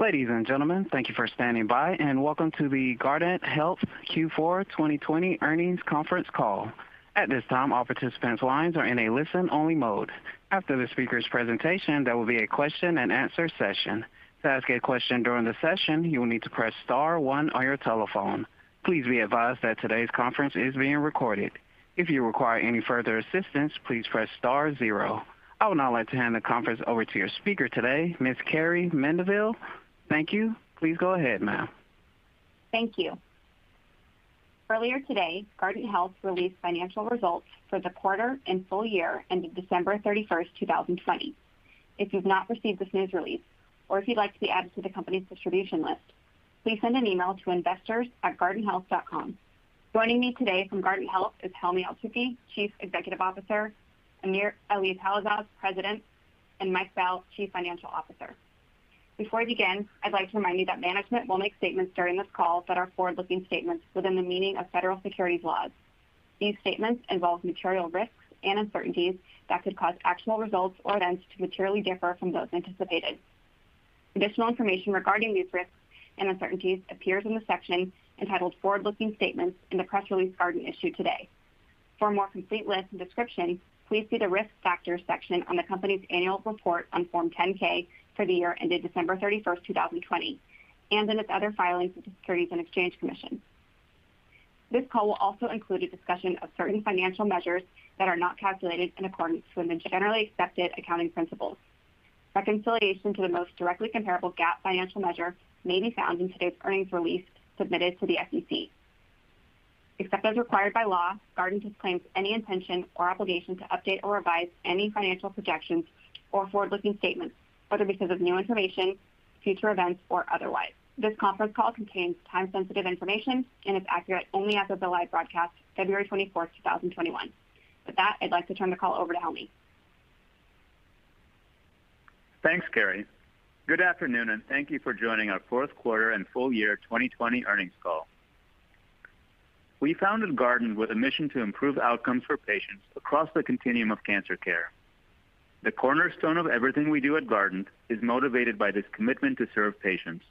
I would now like to hand the conference over to your speaker today, Ms. Carrie Mendivil. Thank you. Please go ahead, ma'am. Thank you. Earlier today, Guardant Health released financial results for the quarter, and full year ending December 31st, 2020. If you've not received this news release, or if you'd like to be added to the company's distribution list. Please send an email to investors@guardanthealth.com. Joining me today from Guardant Health is Helmy Eltoukhy, Chief Executive Officer. AmirAli Talasaz, President, and Mike Bell, Chief Financial Officer. Before I begin, I'd like to remind you that management will make statements during this call. That are forward-looking statements, within the meaning of federal securities laws. These statements involve material risks, and uncertainties. That could cause actual results or events, to materially differ from those anticipated. Additional information regarding these risks, and uncertainties. Appears in the section entitled, Forward-Looking Statements in the press release Guardant issued today. For a more complete list, and description. Please see the Risk Factors section on the company's annual report, on Form 10-K for the year ended December 31st, 2020. And in its other filings with the Securities and Exchange Commission. This call will also include, a discussion of certain financial measures. That are not calculated in accordance, with generally accepted accounting principles. Reconciliation to the most directly comparable GAAP financial measure. May be found in today's earnings release, submitted to the SEC. Except as required by law, Guardant disclaims any intention or obligation. To update or revise any financial projections or forward-looking statements. Whether because of new information, future events, or otherwise. This conference call contains time-sensitive information. And is accurate only, as of the live broadcast February 24th, 2021. With that, I'd like to turn the call over to Helmy. Thanks, Carrie. Good afternoon, and thank you for joining our Fourth Quarter and Full Year 2020 Earnings Call. We founded Guardant with a mission to improve outcomes for patients, across the continuum of cancer care. The cornerstone of everything we do at Guardant, is motivated by this commitment to serve patients.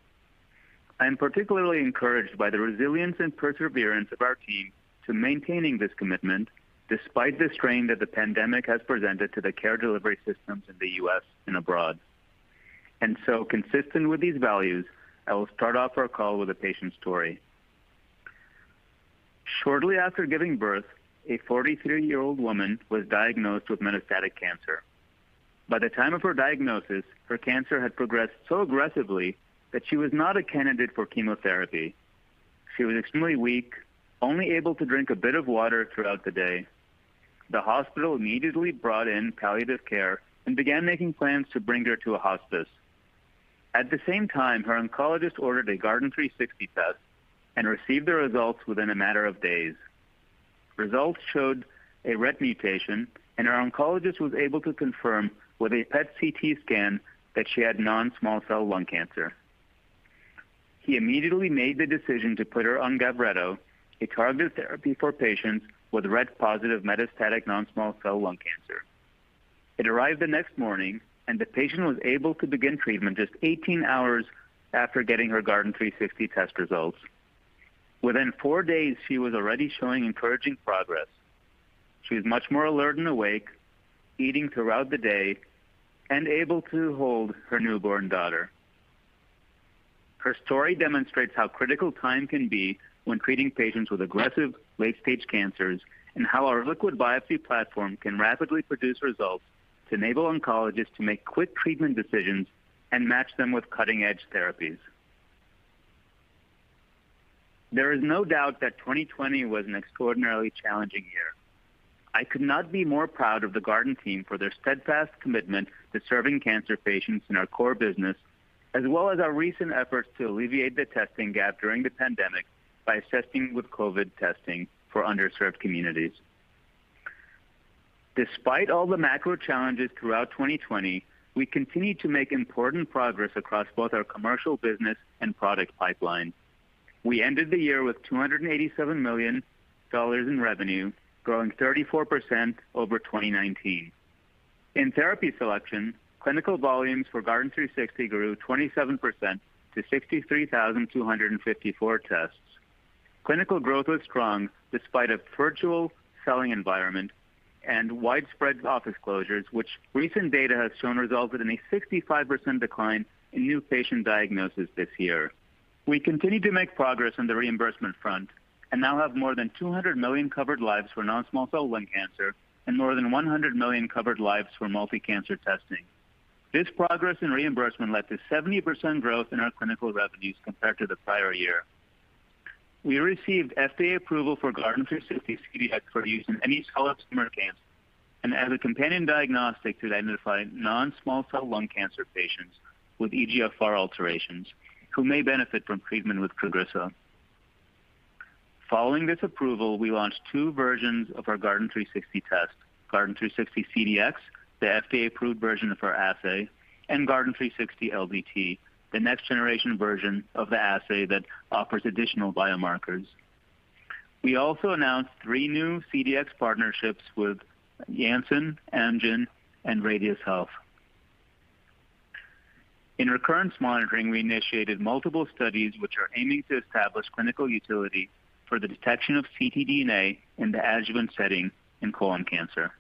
I am particularly encouraged by the resilience, and perseverance of our team. To maintaining this commitment, despite the strain that the pandemic. Has presented to the care delivery systems in the U.S., and abroad. Consistent with these values, I will start off our call with a patient story. Shortly after giving birth, a 43-year-old woman was diagnosed with metastatic cancer. By the time of her diagnosis, her cancer had progressed so aggressively. That she was not a candidate for chemotherapy. She was extremely weak, only able to drink a bit of water throughout the day. The hospital immediately brought in palliative care, and began making plans to bring her to a hospice. At the same time, her oncologist ordered a Guardant360 test. And received the results, within a matter of days. Results showed a RET mutation, and her oncologist was able to confirm with a PET-CT scan. That she had non-small cell lung cancer. He immediately made the decision, to put her on GAVRETO. A targeted therapy for patients, with RET-positive metastatic non-small cell lung cancer. It arrived the next morning, and the patient was able to begin treatment just 18 hours. After getting her Guardant360 test results. Within four days, she was already showing encouraging progress. She was much more alert, and awake. Eating throughout the day, and able to hold her newborn daughter. Her story demonstrates, how critical time can be. When treating patients with aggressive late-stage cancers. And how our liquid biopsy platform can rapidly produce results. To enable oncologists to make quick treatment decisions, and match them with cutting-edge therapies. There is no doubt that 2020, was an extraordinarily challenging year. I could not be more proud of the Guardant team, for their steadfast commitment. To serving cancer patients, in our core business. As well as our recent efforts, to alleviate the testing gap during the pandemic. By assisting with COVID testing, for underserved communities. Despite all the macro challenges throughout 2020. We continued to make important progress. Across both our commercial business, and product pipeline. We ended the year with $287 million in revenue, growing 34% over 2019. In therapy selection, clinical volumes for Guardant360 grew 27% to 63,254 tests. Clinical growth was strong, despite a virtual selling environment, and widespread office closures. Which recent data has shown resulted, in a 65% decline in new patient diagnoses this year. We continued to make progress on the reimbursement front. And now have more than 200 million covered lives, for non-small cell lung cancer. And more than 100 million covered lives for multi-cancer testing. This progress in reimbursement led to 70% growth, in our clinical revenues compared to the prior year. We received FDA approval for Guardant360 CDx, for use in any solid tumor cancer. And as a companion diagnostic, to identify non-small cell lung cancer patients. With EGFR alterations, who may benefit from treatment with Tagrisso. Following this approval, we launched two versions of our Guardant360 test. Guardant360 CDx, the FDA-approved version of our assay, and Guardant360 LDT. The next-generation version of the assay, that offers additional biomarkers. We also announced three new CDx partnerships with Janssen, Amgen, and Radius Health. In recurrence monitoring, we initiated multiple studies. Which are aiming to establish clinical utility. For the detection of ctDNA, in the adjuvant setting in colon cancer.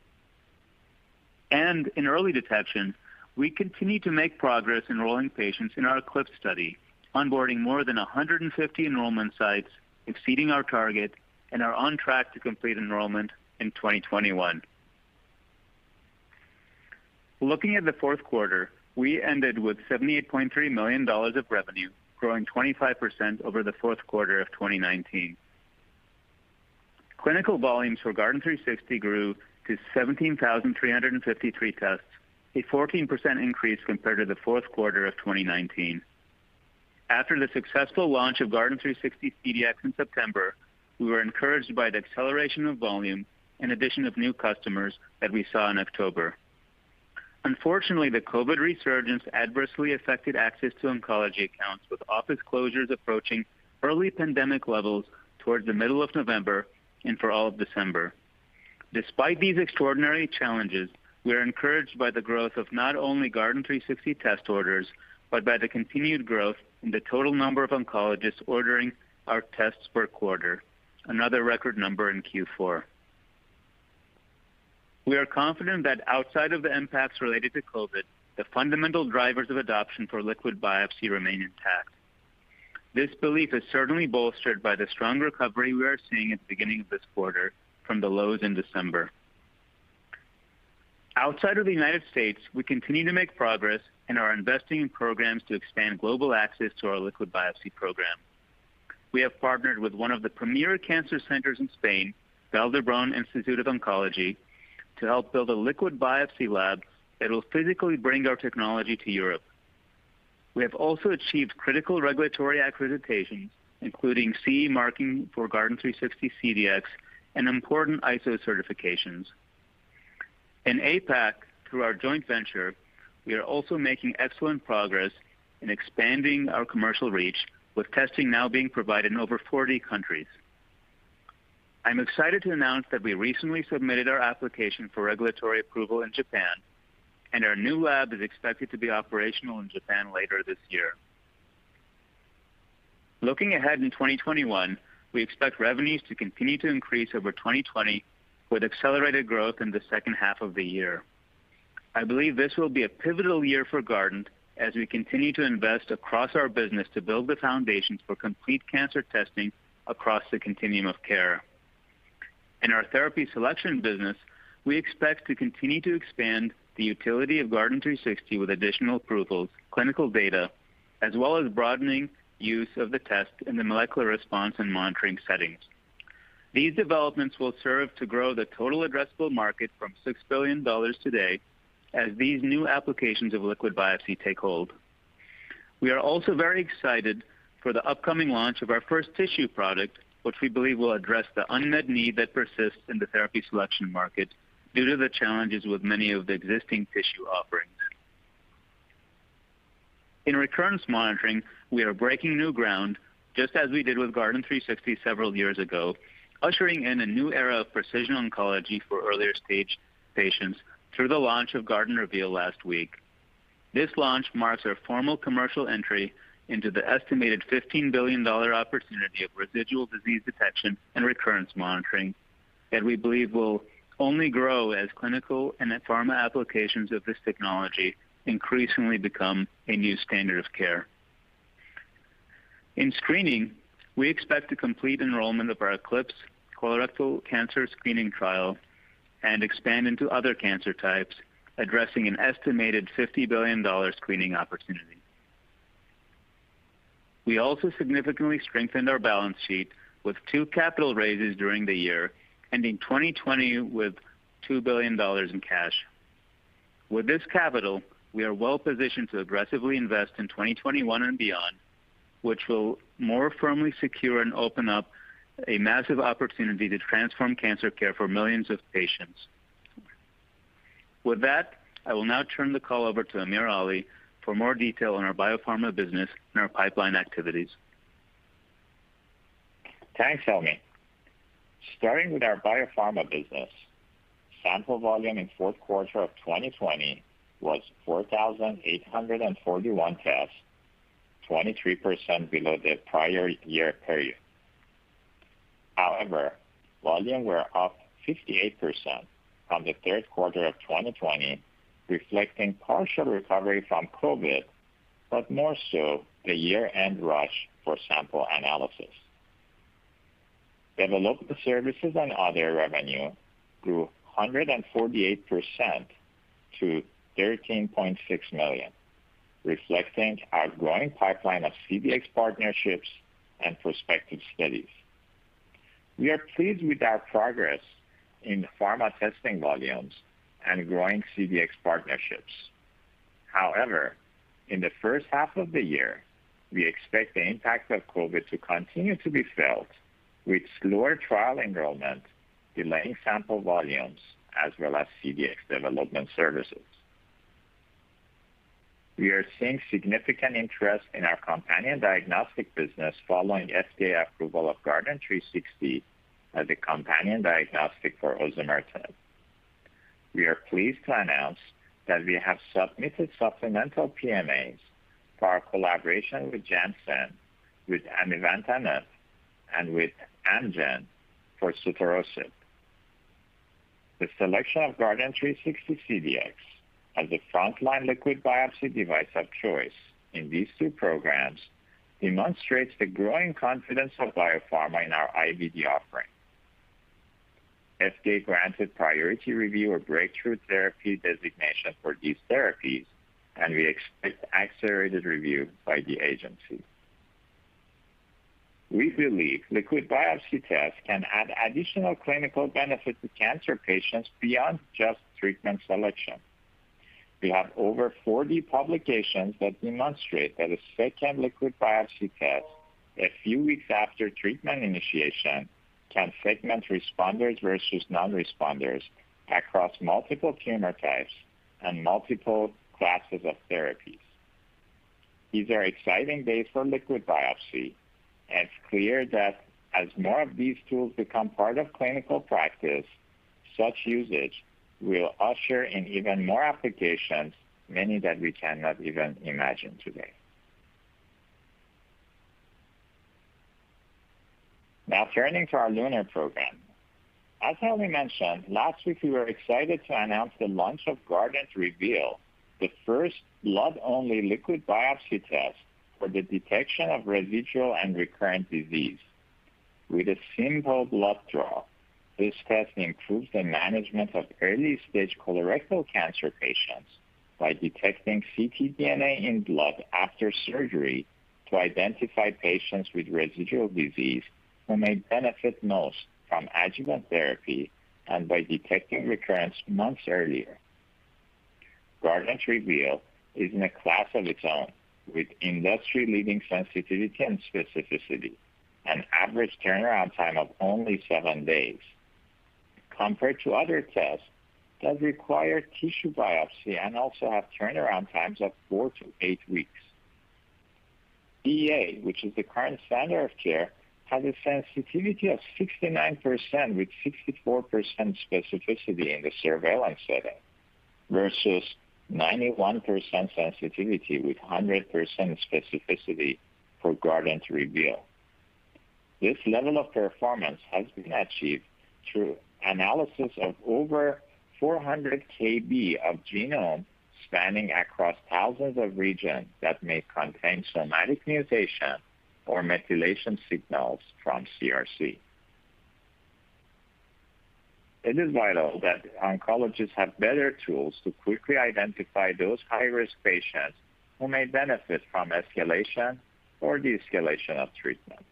In early detection, we continue to make progress enrolling patients in our ECLIPSE study. Onboarding more than 150 enrollment sites, exceeding our target. And are on track, to complete enrollment in 2021. Looking at the fourth quarter, we ended with $78.3 million of revenue. Growing 25% over the fourth quarter of 2019. Clinical volumes for Guardant360 grew, to 17,353 tests. A 14% increase compared to the fourth quarter of 2019. After the successful launch of Guardant360 CDx in September. We were encouraged by the acceleration of volume, and addition of new customers, that we saw in October. Unfortunately, the COVID resurgence adversely affected access to oncology accounts. With office closures approaching early pandemic levels. Towards the middle of November, and for all of December. Despite these extraordinary challenges, we are encouraged by the growth of not only Guardant360 test orders. But by the continued growth, in the total number of oncologists ordering our tests per quarter, another record number in Q4. We are confident, that outside of the impacts related to COVID. The fundamental drivers of adoption, for liquid biopsy remain intact. This belief is certainly bolstered by the strong recovery. We are seeing at the beginning of this quarter, from the lows in December. Outside of the United States, we continue to make progress. And are investing in programs to expand global access, to our liquid biopsy program. We have partnered with one of the premier cancer centers in Spain, Vall d'Hebron Institute of Oncology. To help build a liquid biopsy lab, that will physically bring our technology to Europe. We have also achieved critical regulatory accreditations. Including CE marking for Guardant360 CDx, and important ISO certifications. In APAC, through our joint venture. We are also making excellent progress, in expanding our commercial reach. With testing now being provided in over 40 countries. I'm excited to announce, that we recently submitted our application for regulatory approval in Japan. And our new lab is expected, to be operational in Japan later this year. Looking ahead in 2021, we expect revenues. To continue to increase over 2020. With accelerated growth, in the second half of the year. I believe, this will be a pivotal year for Guardant. As we continue to invest across our business, to build the foundations. For complete cancer testing, across the continuum of care. In our therapy selection business, we expect to continue to expand the utility of Guardant360. With additional approvals, clinical data, as well as broadening use of the test. In the molecular response, and monitoring settings. These developments will serve to grow, the total addressable market from $6 billion today. As these new applications of liquid biopsy take hold. We are also very excited, for the upcoming launch of our first tissue product. Which we believe, will address the unmet need. That persists in the therapy selection market, due to the challenges. With many of the existing tissue offerings. In recurrence monitoring, we are breaking new ground. Just as we did with Guardant360 several years ago. Ushering in a new era of precision oncology, for earlier-stage patients. Through the launch of Guardant Reveal last week. This launch marks our formal commercial entry, into the estimated $15 billion opportunity. Of residual disease detection, and recurrence monitoring. That we believe will only grow as clinical, and pharma applications of this technology. Increasingly, become a new standard of care. In screening, we expect to complete enrollment of our ECLIPSE colorectal cancer screening trial. And expand into other cancer types. Addressing an estimated $50 billion screening opportunity. We also significantly strengthened our balance sheet. With two capital raises during the year, ending 2020 with $2 billion in cash. With this capital, we are well positioned to aggressively invest in 2021, and beyond. Which will more firmly secure, and open up. A massive opportunity, to transform cancer care for millions of patients. With that, I will now turn the call over to AmirAli. For more detail on our biopharma business, and our pipeline activities. Thanks, Helmy. Starting with our biopharma business, sample volume in the fourth quarter of 2020. Was 4,841 tests, 23% below the prior year period. Volume were up 58%, from the third quarter of 2020. Reflecting partial recovery from COVID, but more so the year-end rush for sample analysis. Development services, and other revenue grew 148% to $13.6 million. Reflecting our growing pipeline of CDx partnerships, and prospective studies. We are pleased with our progress. In pharma testing volumes, and growing CDx partnerships. However, in the first half of the year, we expect the impact of COVID to continue to be felt. With slower trial enrollment, delaying sample volumes. As well as CDx development services. We are seeing significant interest, in our companion diagnostic business. Following FDA approval of Guardant360, as a companion diagnostic for osimertinib. We are pleased to announce, that we have submitted supplemental PMAs. For our collaboration with Janssen, with amivantamab, and with Amgen for sotorasib. The selection of Guardant360 CDx, as a frontline liquid biopsy device of choice. In these two programs demonstrates, the growing confidence of biopharma in our IVD offering. FDA granted priority review, or breakthrough therapy designation for these therapies. And we expect accelerated review by the agency. We believe liquid biopsy tests can add additional clinical benefit, to cancer patients beyond just treatment selection. We have over 40 publications, that demonstrate that a second liquid biopsy test. A few weeks after treatment initiation, can segment responders versus non-responders. Across multiple tumor types, and multiple classes of therapies. These are exciting days for liquid biopsy, and it's clear that. As more of these tools become part of clinical practice. Such usage, will usher in even more applications. Many that we cannot even imagine today. Now, turning to our LUNAR program. As Helmy mentioned, last week, we were excited to announce the launch of Guardant Reveal. The first blood-only liquid biopsy test, for the detection of residual, and recurrent disease. With a simple blood draw, this test improves the management of early-stage colorectal cancer patients. By detecting ctDNA in blood after surgery, to identify patients with residual disease. Who may benefit most from adjuvant therapy, and by detecting recurrence months earlier. Guardant Reveal is in a class of its own, with industry-leading sensitivity and specificity. An average turnaround time of only seven days. Compared to other tests, that require tissue biopsy. And also have turnaround times of four to eight weeks. CEA, which is the current standard of care. Has a sensitivity of 69%, with 64% specificity in the surveillance setting. Versus 91% sensitivity, with 100% specificity for Guardant Reveal. This level of performance has been achieved. Through analysis of over 400 KB of genome, spanning across thousands of regions. That may contain somatic mutation, or methylation signals from CRC. It is vital that oncologists have better tools, to quickly identify those high-risk patients. Who may benefit from escalation or de-escalation of treatment.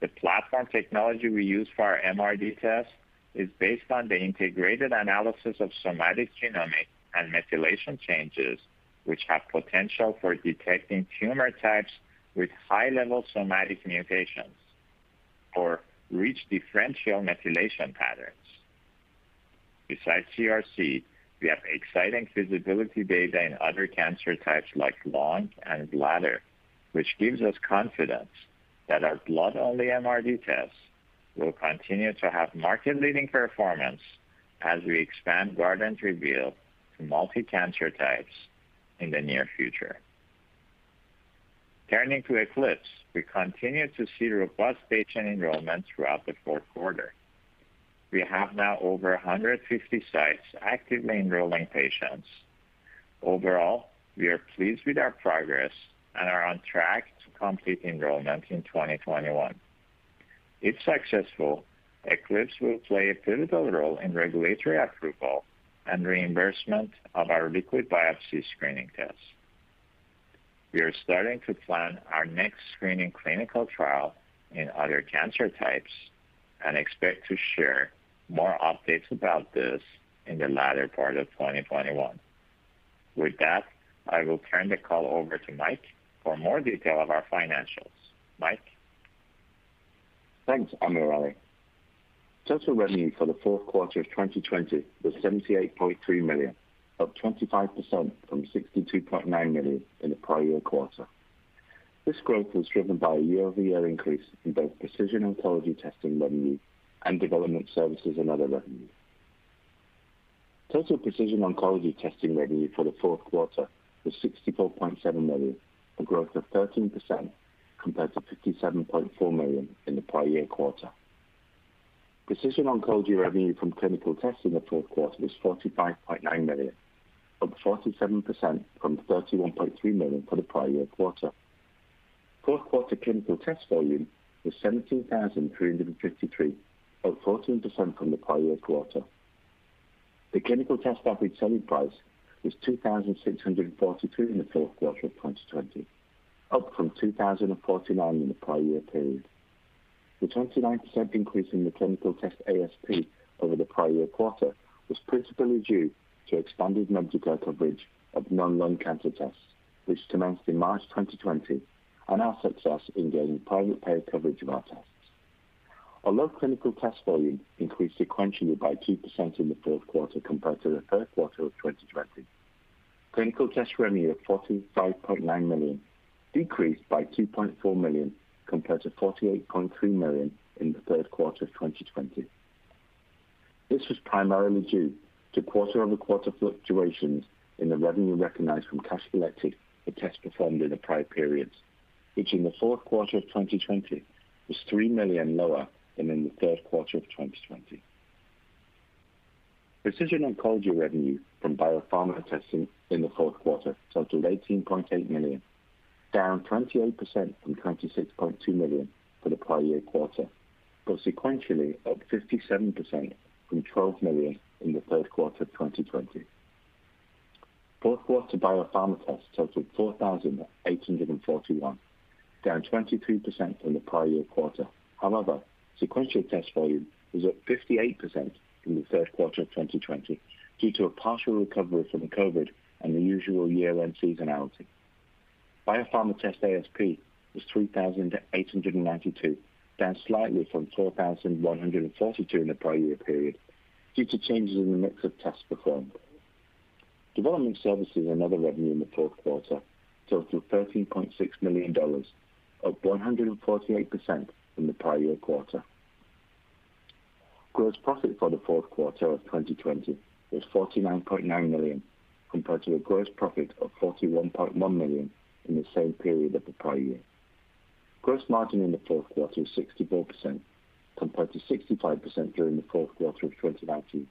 The platform technology we use for our MRD test, is based on the integrated analysis of somatic genomic, and methylation changes. Which have potential for detecting tumor types. With high-level somatic mutations, or reach differential methylation patterns. Besides CRC, we have exciting feasibility data in other cancer types like lung and bladder. Which gives us confidence, that our blood-only MRD tests. Will continue to have market-leading performance, as we expand Guardant Reveal. To multi-cancer types in the near future. Turning to ECLIPSE, we continued to see robust patient enrollment, throughout the fourth quarter. We have now over 150 sites, actively enrolling patients. Overall, we are pleased with our progress, and are on track to complete enrollment in 2021. If successful, ECLIPSE will play a pivotal role in regulatory approval. And reimbursement of our liquid biopsy screening test. We are starting to plan our next screening clinical trial. In other cancer types, and expect to share more updates about this, in the latter part of 2021. With that, I will turn the call over to Mike. For more detail on our financials. Mike? Thanks, AmirAli. Total revenue for the fourth quarter of 2020 was $78.3 million, up 25% from $62.9 million in the prior quarter. This growth was driven by a year-over-year increase. In both precision oncology testing revenue, and development services, and other revenue. Total precision oncology testing revenue for the fourth quarter was $64.7 million. A growth of 13% compared to $57.4 million in the prior quarter. Precision oncology revenue, from clinical tests in the fourth quarter was $45.9 million. Up 47% from $31.3 million for the prior quarter. Fourth quarter clinical test volume was 17,353, up 14% from the prior quarter. The clinical test average selling price, was $2,642 in the fourth quarter of 2020. Up from $2,049 in the prior period. The 29% increase in the clinical test ASP over the prior quarter. Was principally due, to expanded Medicare coverage of non-lung cancer tests. Which commenced in March 2020, and our success in gaining private pay coverage of our tests. Although clinical test volume, increased sequentially by 2% in the fourth quarter. Compared to the third quarter of 2020. Clinical test revenue of $45.9 million, decreased by $2.4 million. Compared to $48.3 million, in the third quarter of 2020. This was primarily due, to quarter-over-quarter fluctuations. In the revenue recognized from cash collected, for tests performed in the prior periods. Which in the fourth quarter of 2020, was $3 million lower, than in the third quarter of 2020. Precision oncology revenue from biopharma testing, in the fourth quarter totaled $18.8 million. Down 28% from $26.2 million for the prior year quarter. But sequentially, up 57% from $12 million in the third quarter of 2020. Fourth quarter biopharma tests totaled 4,841, down 23% from the prior year quarter. Sequential test volume, was up 58% from the third quarter of 2020. Due to a partial recovery from COVID, and the usual year-end seasonality. Biopharma test ASP was $3,892, down slightly from $4,142 in the prior year period. Due to changes in the mix of tests performed. Development services, and other revenue in the fourth quarter totaled $13.6 million. Up 148% from the prior year quarter. Gross profit for the fourth quarter of 2020, was $49.9 million. Compared to a gross profit of $41.1 million, in the same period of the prior year. Gross margin in the fourth quarter was 64%, compared to 65% during the fourth quarter of 2019.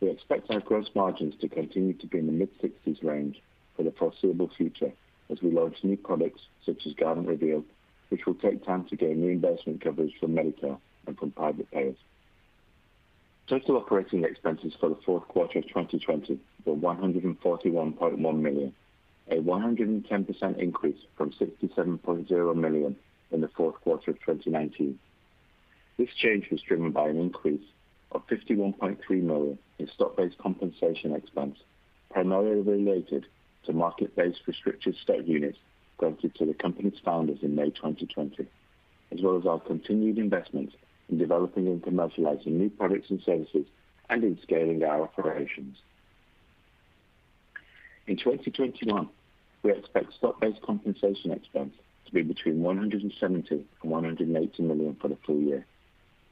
We expect our gross margins, to continue to be in the mid-60%s range. For the foreseeable future, as we launch new products, such as Guardant Reveal. Which will take time to gain reimbursement coverage from Medicare, and from private payers. Total operating expenses, for the fourth quarter of 2020 were $141.1 million. A 110% increase from $67.0 million, in the fourth quarter of 2019. This change was driven by an increase of $51.3 million, in stock-based compensation expense. Primarily related to market-based restricted stock units, granted to the company's founders in May 2020. As well as our continued investment in developing, and commercializing new products, and services. And in scaling our operations. In 2021, we expect stock-based compensation expense. To be between $170 million, and $180 million for the full year.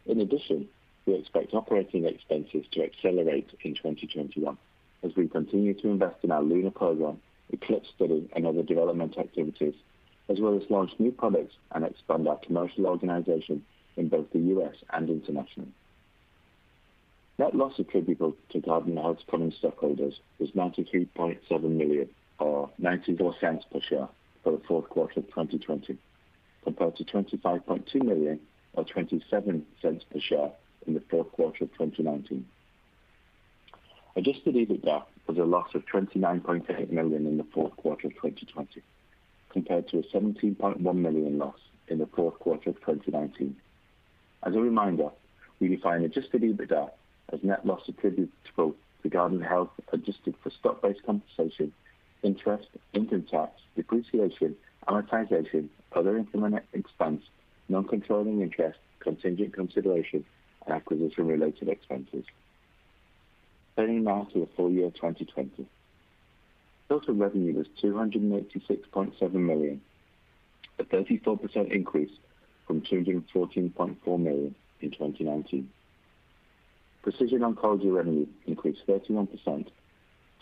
In addition, we expect operating expenses to accelerate in 2021. As we continue to invest in our LUNAR program, ECLIPSE study, and other development activities. As well as launch new products, and expand our commercial organization in both the U.S., and internationally. Net loss attributable to Guardant Health common stockholders, was $93.7 million or $0.94 per share, for the fourth quarter of 2020. Compared to $25.2 million, or $0.27 per share in the fourth quarter of 2019. Adjusted EBITDA was a loss of $29.8 million, in the fourth quarter of 2020. Compared to a $17.1 million loss, in the fourth quarter of 2019. As a reminder, we define adjusted EBITDA. As net loss attributable to Guardant Health, adjusted for stock-based compensation, interest, income tax, depreciation, amortization. Other incremental expense, non-controlling interest, contingent consideration, and acquisition-related expenses. Turning now to the full year 2020. Total revenue was $286.7 million, a 34% increase from $214.4 million in 2019. Precision oncology revenue increased 31%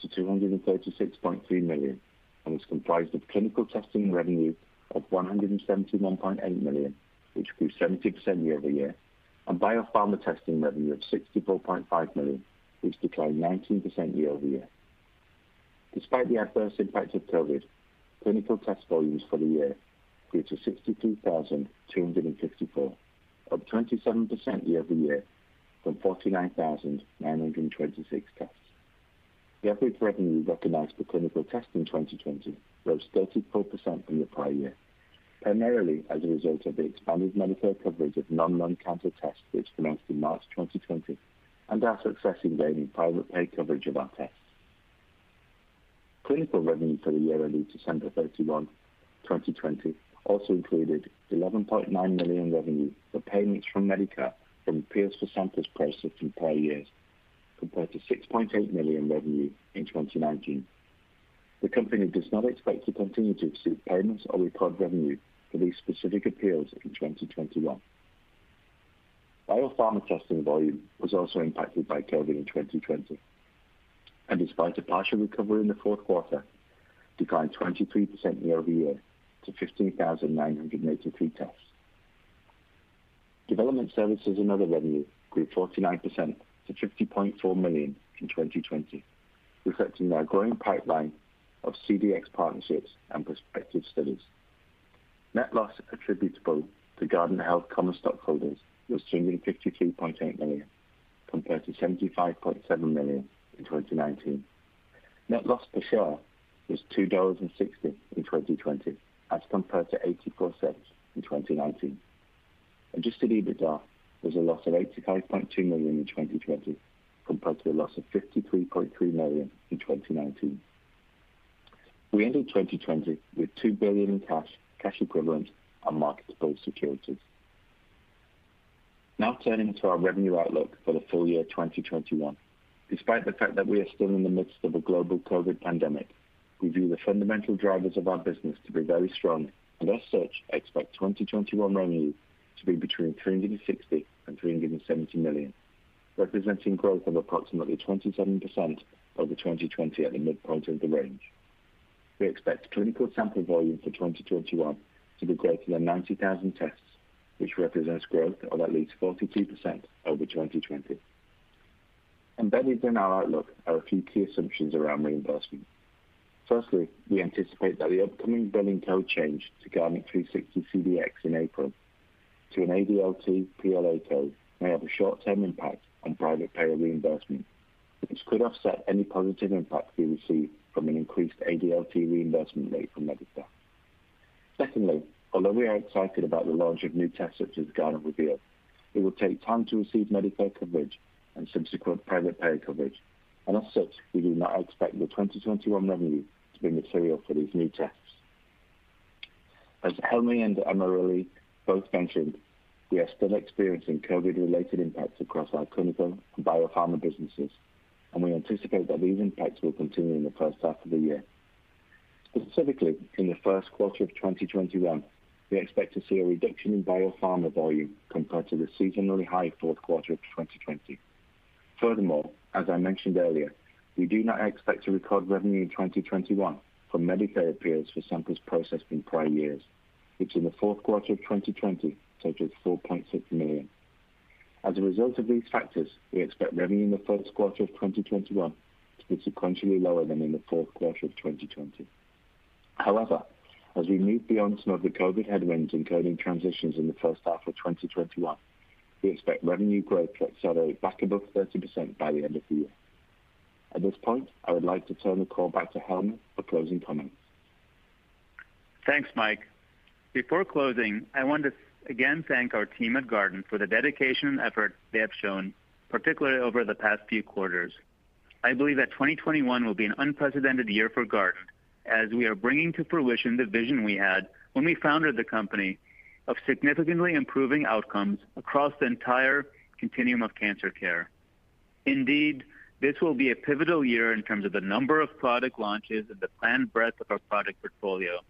to $236.3 million. And was comprised of clinical testing revenue of $171.8 million. Which grew 70% year-over-year, and biopharma testing revenue of $64.5 million. Which declined 19% year-over-year. Despite the adverse impact of COVID, clinical test volumes for the year grew to 63,264. Up 27% year-over-year from 49,926 tests. The average revenue recognized, for clinical testing in 2020, rose 34% from the prior year. Primarily, as a result of the expanded Medicare coverage of non-lung cancer tests. Which commenced in March 2020, and our success in gaining private pay coverage of our tests. Clinical revenue for the year ending December 31, 2020. Also, included $11.9 million revenue, for payments from Medicare. From appeals for samples processed in prior years, compared to $6.8 million revenue in 2019. The company does not expect to continue. To receive payments or record revenue, for these specific appeals in 2021. Biopharma testing volume, was also impacted by COVID in 2020. And despite a partial recovery in the fourth quarter. Declined 23% year-over-year to 15,983 tests. Development services, and other revenue grew 49% to $50.4 million in 2020. Reflecting our growing pipeline of CDx partnerships, and prospective studies. Net loss attributable to Guardant Health common stockholders, was $253.8 million compared to $75.7 million in 2019. Net loss per share was $2.60 in 2020, as compared to $8.04 in 2019. Adjusted EBITDA was a loss of $85.2 million in 2020, compared to a loss of $53.3 million in 2019. We ended 2020 with $2 billion in cash equivalents, and marketable securities. Now turning to our revenue outlook, for the full year 2021. Despite the fact, that we are still in the midst of a global COVID pandemic. We view the fundamental drivers of our business. To be very strong, and as such, expect 2021 revenue. To be between $360 million, and $370 million. Representing growth of approximately 27%, over 2020 at the midpoint of the range. We expect clinical sample volume for 2021, to be greater than 90,000 tests. Which represents growth of at least 42% over 2020. Embedded in our outlook, are a few key assumptions around reimbursement. Firstly, we anticipate that the upcoming billing code change, to Guardant360 CDx in April. To an ADLT PLA code, may have a short-term impact on private payer reimbursement. Which could offset, any positive impact we receive. From an increased ADLT reimbursement rate from Medicare. Secondly, although we are excited about, the launch of new tests such as Guardant Reveal. It will take time to receive Medicare coverage, and subsequent private payer coverage. As such, we do not expect the 2021 revenue, to be material for these new tests. As Helmy and AmirAli both mentioned, we are still experiencing COVID-related impacts. Across our clinical, and biopharma businesses. And we anticipate that these impacts, will continue in the first half of the year. Specifically, in the first quarter of 2021. We expect to see a reduction in biopharma volume, compared to the seasonally high fourth quarter of 2020. As I mentioned earlier, we do not expect to record revenue in 2021. From Medicare payers for samples processed in prior years. Which in the fourth quarter of 2020 totaled $4.6 million. As a result of these factors, we expect revenue in the first quarter of 2021. To be sequentially lower, than in the fourth quarter of 2020. However, as we move beyond some of the COVID headwinds, and coding transitions in the first half of 2021. We expect revenue growth, to accelerate back above 30% by the end of the year. At this point, I would like to turn the call back, to Helmy for closing comments. Thanks, Mike. Before closing, I want to again thank our team at Guardant. For the dedication, and effort they have shown. Particularly, over the past few quarters. I believe, that 2021 will be an unprecedented year for Guardant. As we are bringing to fruition the vision we had. When we founded the company, of significantly improving outcomes. Across the entire continuum of cancer care. This will be a pivotal year, in terms of the number of product launches. And the planned breadth, of our product portfolio.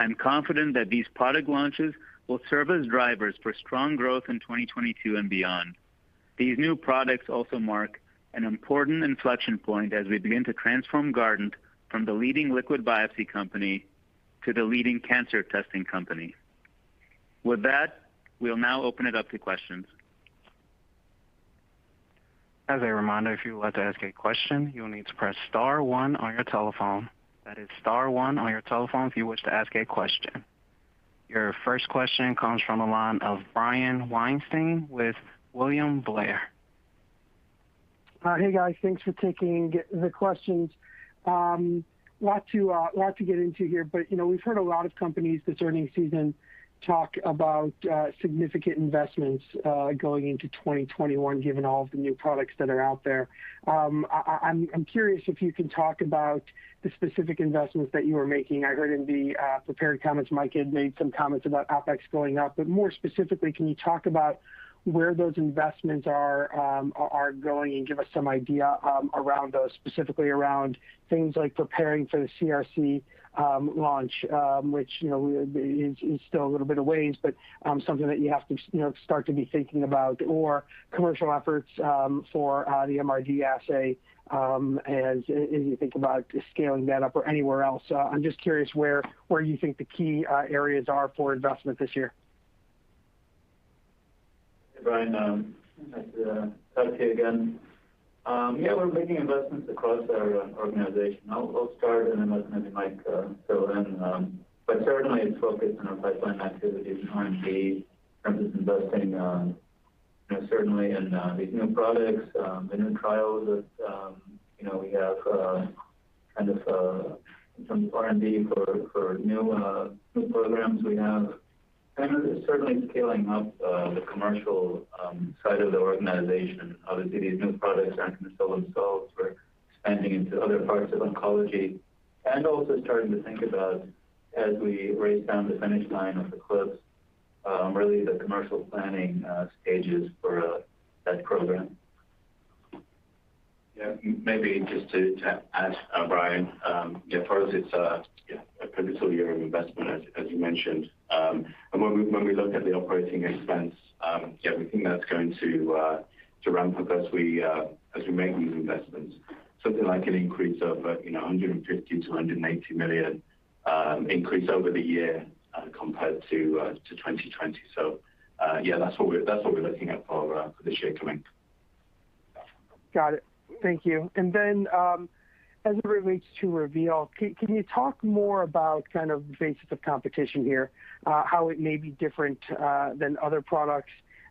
I'm confident that these product launches, will serve as drivers for strong growth in 2022, and beyond. These new products also mark, an important inflection point. As we begin to transform Guardant, from the leading liquid biopsy company. To the leading cancer testing company. With that, we'll now open it up to questions. As a reminder, if you would like to ask a question. You will need to press star one on your telephone. That is star one on your telephone, if you wish to ask a question. Your first question comes from, the line of Brian Weinstein with William Blair. Hey, guys. Thanks for taking the questions. A lot to get into here. We've heard a lot of companies this earnings season, talk about significant investments going into 2021. Given all of the new products, that are out there. I'm curious if you can talk about, the specific investments that you are making. I heard in the prepared comments, Mike had made some comments about OpEx going up. More specifically, can you talk about. Where those investments are going? And give us some idea specifically, around things like preparing for the CRC launch. Which is still a little bit of ways? But something that you have to start to be thinking about, or commercial efforts for the MRD assay. As you think about, scaling that up or anywhere else. I'm just curious, where you think the key areas are for investment this year? Hey, Brian. This is Helmy again. Yeah, we're making investments across our organization. I'll start, and then maybe Mike fill in. Certainly, it's focused on our pipeline activities, and R&D. In terms of investing, certainly in these new products. The new trials that we have, and some R&D for new programs we have. Certainly, scaling up the commercial side of the organization. Obviously, these new products aren't going to sell themselves. We're expanding into other parts of oncology. Also starting to think about, as we race down the finish line of close. Really the commercial planning stages for that program. Yeah. Maybe just to add, Brian, for us, it's a pivotal year of investment, as you mentioned. When we look at the operating expense, yeah. We think, that's going to ramp up as we make these investments. Something like an increase of $150 million-$180 million, increase over the year compared to 2020. Yeah, that's what we're looking at for this year coming. Got it. Thank you. As it relates to Reveal, can you talk more about basis of competition here? How it may be different than other products?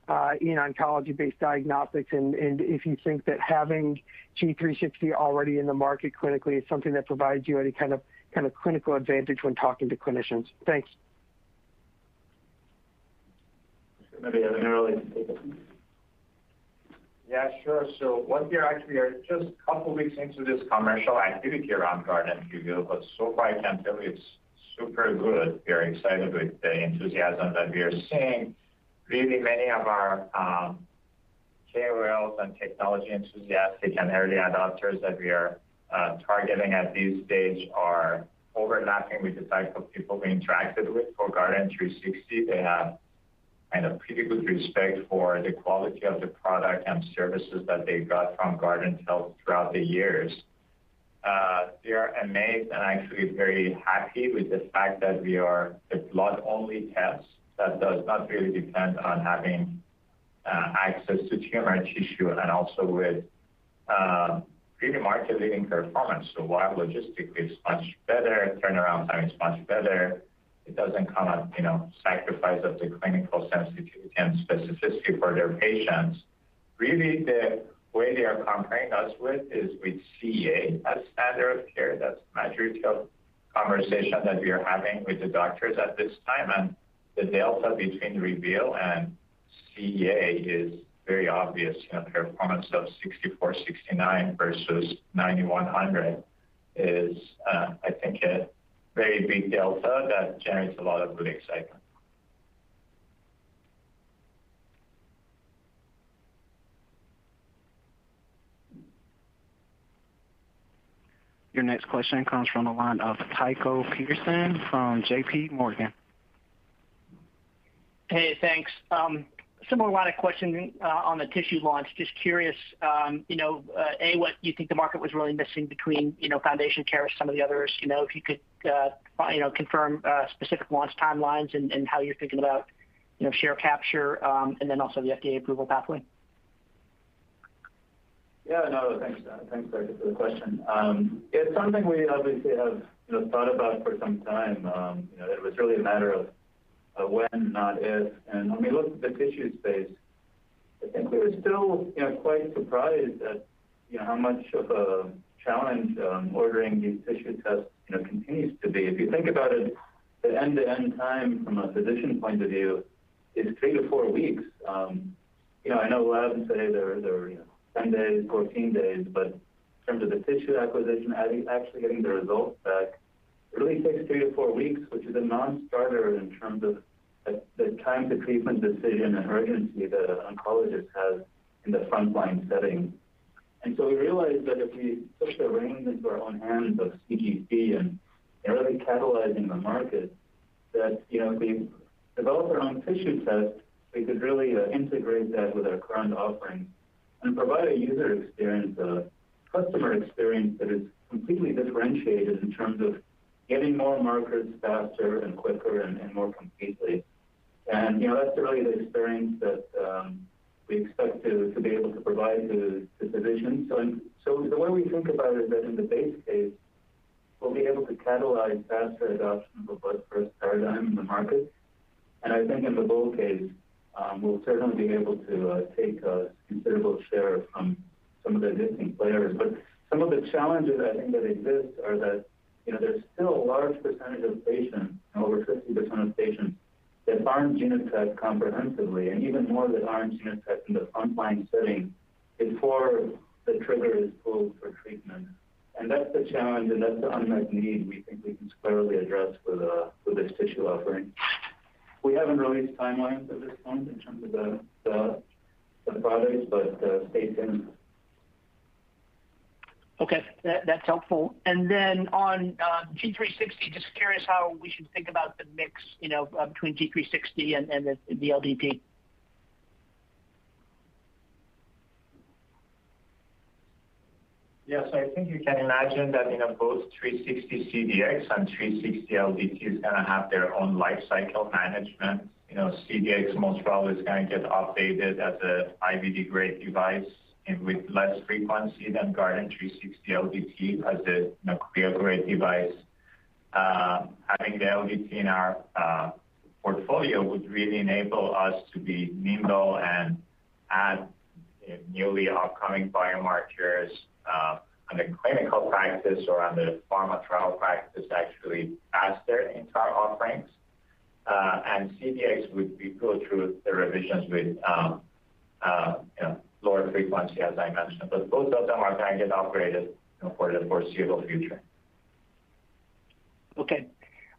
In oncology-based diagnostics, and if you think that having G360 already in the market? Clinically is something, that provides you any kind of clinical advantage, when talking to clinicians? Thanks. Maybe have an early take. Yeah, sure. We're actually just a couple of weeks, into this commercial activity around Guardant Reveal. But so far, I can tell you it's super good. We are excited, with the enthusiasm that we are seeing. Really many of our KOLs, and technology enthusiastic. And early adopters, that we are targeting at this stage. Are overlapping with the type of people, we interacted with for Guardant360. They have a pretty good respect, for the quality of the product and services. That they got from Guardant Health throughout the years. They are amazed, and actually very happy with the fact that. We are a blood-only test, that does not really depend on having access to tumor tissue. And also with pretty market-leading performance. While logistically it's much better, turnaround time is much better. It doesn't come at sacrifice of the clinical sensitivity, and specificity for their patients. Really the way they are comparing us, with is with CEA as standard of care. That's the majority of conversation, that we are having with the doctors at this time. And the delta between Reveal, and CEA is very obvious. A performance of 64, 69 versus 9,100 is. I think, a very big delta that generates a lot of good excitement. Your next question comes from, the line of Tycho Peterson from JPMorgan. Hey, thanks. Similar line of questioning on the tissue launch. Just curious, A, what you think the market, was really missing between FoundationOne or some of the others? If you could confirm specific launch timelines? And how you're thinking about share capture, and then also the FDA approval pathway? Yeah. No, thanks for the question. It's something we obviously have, thought about for some time. It was really a matter of when, not if. When we looked at the tissue space? I think we were still quite surprised, at how much of a challenge ordering these tissue tests continues to be? If you think about it, the end-to-end time. From a physician point of view, is three to four weeks. I know labs say they're 10 days, 14 days. But in terms of the tissue acquisition, actually getting the results back. Really takes three to four weeks, which is a non-starter. In terms of the time to treatment decision, and urgency the oncologist has in the frontline setting. We realized that if we took the reins into our own hands of CGP, and really catalyzing the market. That if we develop our own tissue test. We could really integrate, that with our current offerings. And provide a user experience, a customer experience. That is completely differentiated, in terms of getting more markers faster, and quicker, and more completely. That's really the experience, that we expect to be able to provide to physicians. The way we think about it, is that in the base case. We'll be able to catalyze faster adoption, of a blood first paradigm in the market. I think in the bull case, we'll certainly be able. To take a considerable share, from some of the existing players. Some of the challenges I think that exist, are that there's still a large percentage of patients. Over 50% of patients, that aren't genotyped comprehensively. And even more that aren't genotyped in the frontline setting, before the trigger is pulled for treatment. That's the challenge, and that's the unmet need. We think, we can squarely address with this tissue offering. We haven't released timelines at this point, in terms of the products, but stay tuned. Okay. That's helpful. On G360, just curious how we should think about, the mix between G360, and the LDT? Yes. I think you can imagine that both Guardant360 CDx, and Guardant360 LDT is going to have their own life cycle management. CDx most probably is going to get updated, as a IVD-grade device. And with less frequency than Guardant360 LDT, as a CLIA-grade device. Having the LDT in our portfolio, would really enable us to be nimble. And add newly upcoming biomarkers, on the clinical practice. Or on the pharma trial practice, actually faster into our offerings. CDx would be pulled through the revisions. With lower frequency, as I mentioned. Both of them are going to get upgraded, for the foreseeable future.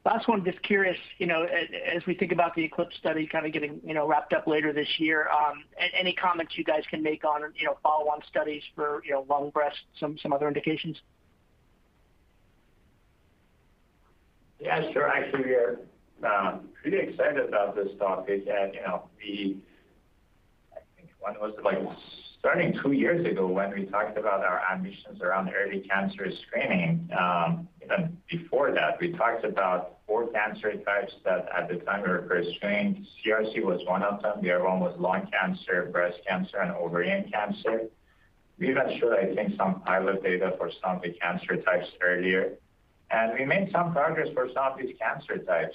Last one, just curious, as we think about the ECLIPSE study. Kind of getting wrapped up later this year. Any comments you guys can make on follow-on studies for lung, breast, some other indications? Yeah, sure. Actually, we are pretty excited about this topic. I think one was starting two years ago, when we talked about our ambitions around early cancer screening? Even before that, we talked about four cancer types, that at the time were constrained. CRC was one of them. The other one was lung cancer, breast cancer, and ovarian cancer. We've ensured, I think, some pilot data for some of the cancer types earlier. We made some progress for some of these cancer types.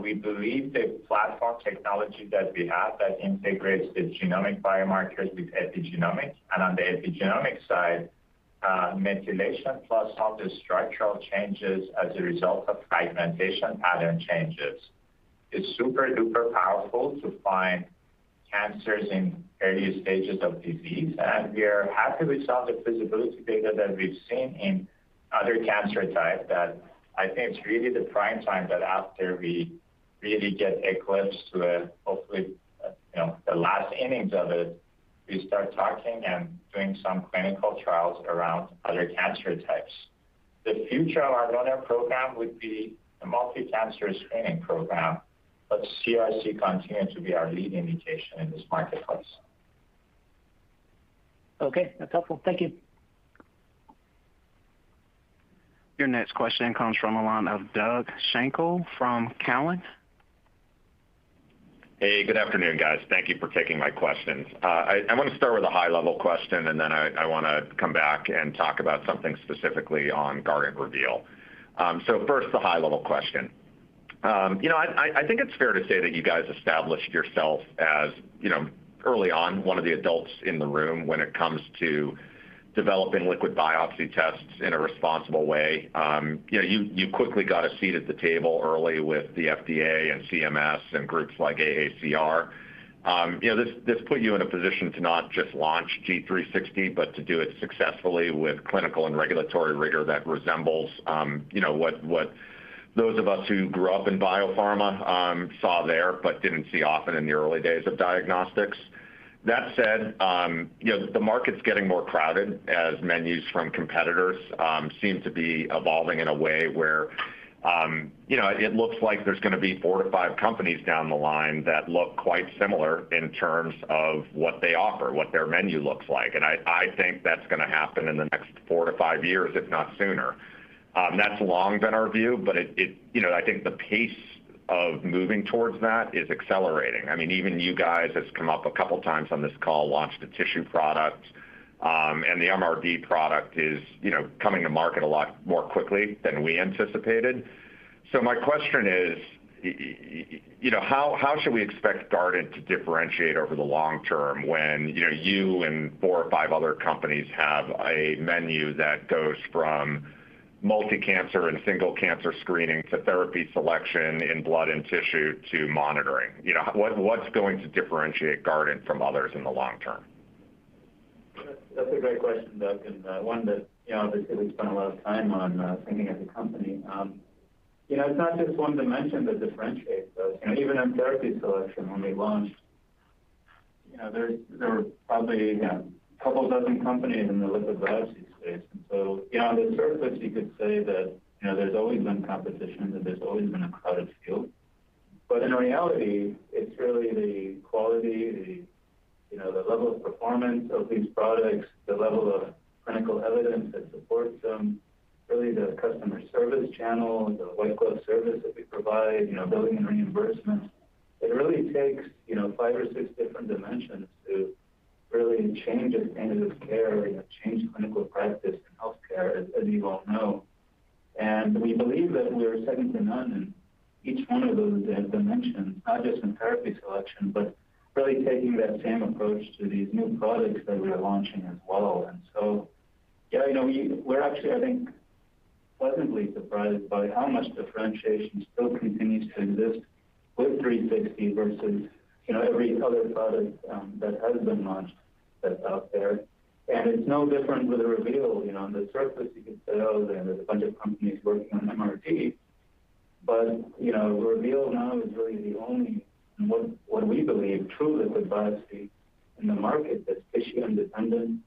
We believe the platform technology, that we have. That integrates the genomic biomarkers, with epigenomics, on the epigenomics side Methylation plus all the structural changes, as a result of fragmentation pattern changes. It's super-duper powerful, to find cancers in various stages of disease. And we are happy with some of the feasibility data, that we've seen in other cancer types. That I think it's really the prime time, that after we really get ECLIPSE to. Hopefully, the last innings of it, we start talking. And doing some clinical trials, around other cancer types. The future of our LUNAR program, would be a multi-cancer screening program. CRC continues to be our lead indication in this marketplace. Okay. That's helpful. Thank you. Your next question comes from, the line of Doug Schenkel from Cowen. Hey, good afternoon, guys. Thank you for taking my questions. I want to start with a high-level question, and then I want to come back. And talk about something specifically on Guardant Reveal. First, the high-level question. I think it's fair to say, that you guys established yourself as. Early on, one of the adults in the room. When it comes to, developing liquid biopsy tests in a responsible way? You quickly got a seat at the table early with the FDA, and CMS, and groups like AACR. This put you in a position, to not just launch G360. But to do it successfully with clinical, and regulatory rigor that resembles. What those of us, who grew up in biopharma? Saw there but didn't see often, in the early days of diagnostics. That said, the market's getting more crowded, as menus from competitors. Seem to be evolving in a way, where it looks like there's going to be four to five companies down the line? That look quite similar, in terms of what they offer? What their menu looks like? I think that's going to happen, in the next four to five years, if not sooner. That's long been our view, but I think the pace, of moving towards that is accelerating. I mean, even you guys. It's come up a couple times on this call, launched a tissue product. The MRD product is coming to market a lot, more quickly than we anticipated. My question is, how should we expect Guardant, to differentiate over the long term? When you, and four or five other companies? Have a menu that goes from multi-cancer, and single-cancer screening. To therapy selection in blood, and tissue to monitoring. What's going to differentiate Guardant, from others in the long term? That's a great question, Doug. One that obviously we spend a lot of time, on thinking as a company. It's not just one dimension, that differentiates us. Even in therapy selection, when we launched. There were probably a couple of dozen companies, in the liquid biopsy space. On the surface, you could say that. There's always been competition, that there's always been a crowded field. In reality, it's really the quality, the level of performance of these products. The level of clinical evidence, that supports them. Really the customer service channel, the white glove service that we provide, billing and reimbursement. It really takes five or six different dimensions, to really change a standard of care. Change clinical practice in healthcare, as you all know. We believe that we are second to none, in each one of those dimensions. Not just in therapy selection, but really taking that same approach. To these new products, that we are launching as well. We're actually, I think, pleasantly surprised by, how much differentiation still continues to exist? With 360 versus every other product, that has been launched that's out there. It's no different with Reveal. On the surface, you could say, "Oh, there's a bunch of companies working on MRD," but Reveal now is really the only. And what we believe, true liquid biopsy in the market that's tissue independent.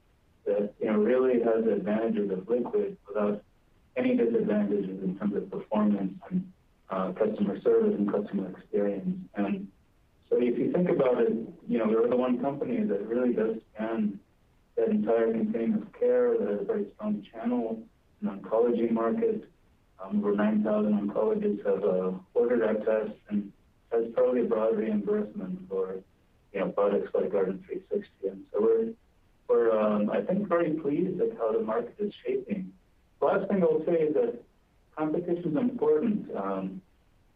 That really has advantages of liquid. Without any disadvantages in terms of performance, and customer service, and customer experience. If you think about it, we're the one company. That really does span that entire continuum of care, that has a very strong channel in oncology market. Over 9,000 oncologists have ordered our test. And that's probably a broad reimbursement, for products like Guardant360. We're, I think, very pleased at, how the market is shaping? The last thing I'll say, is that competition is important.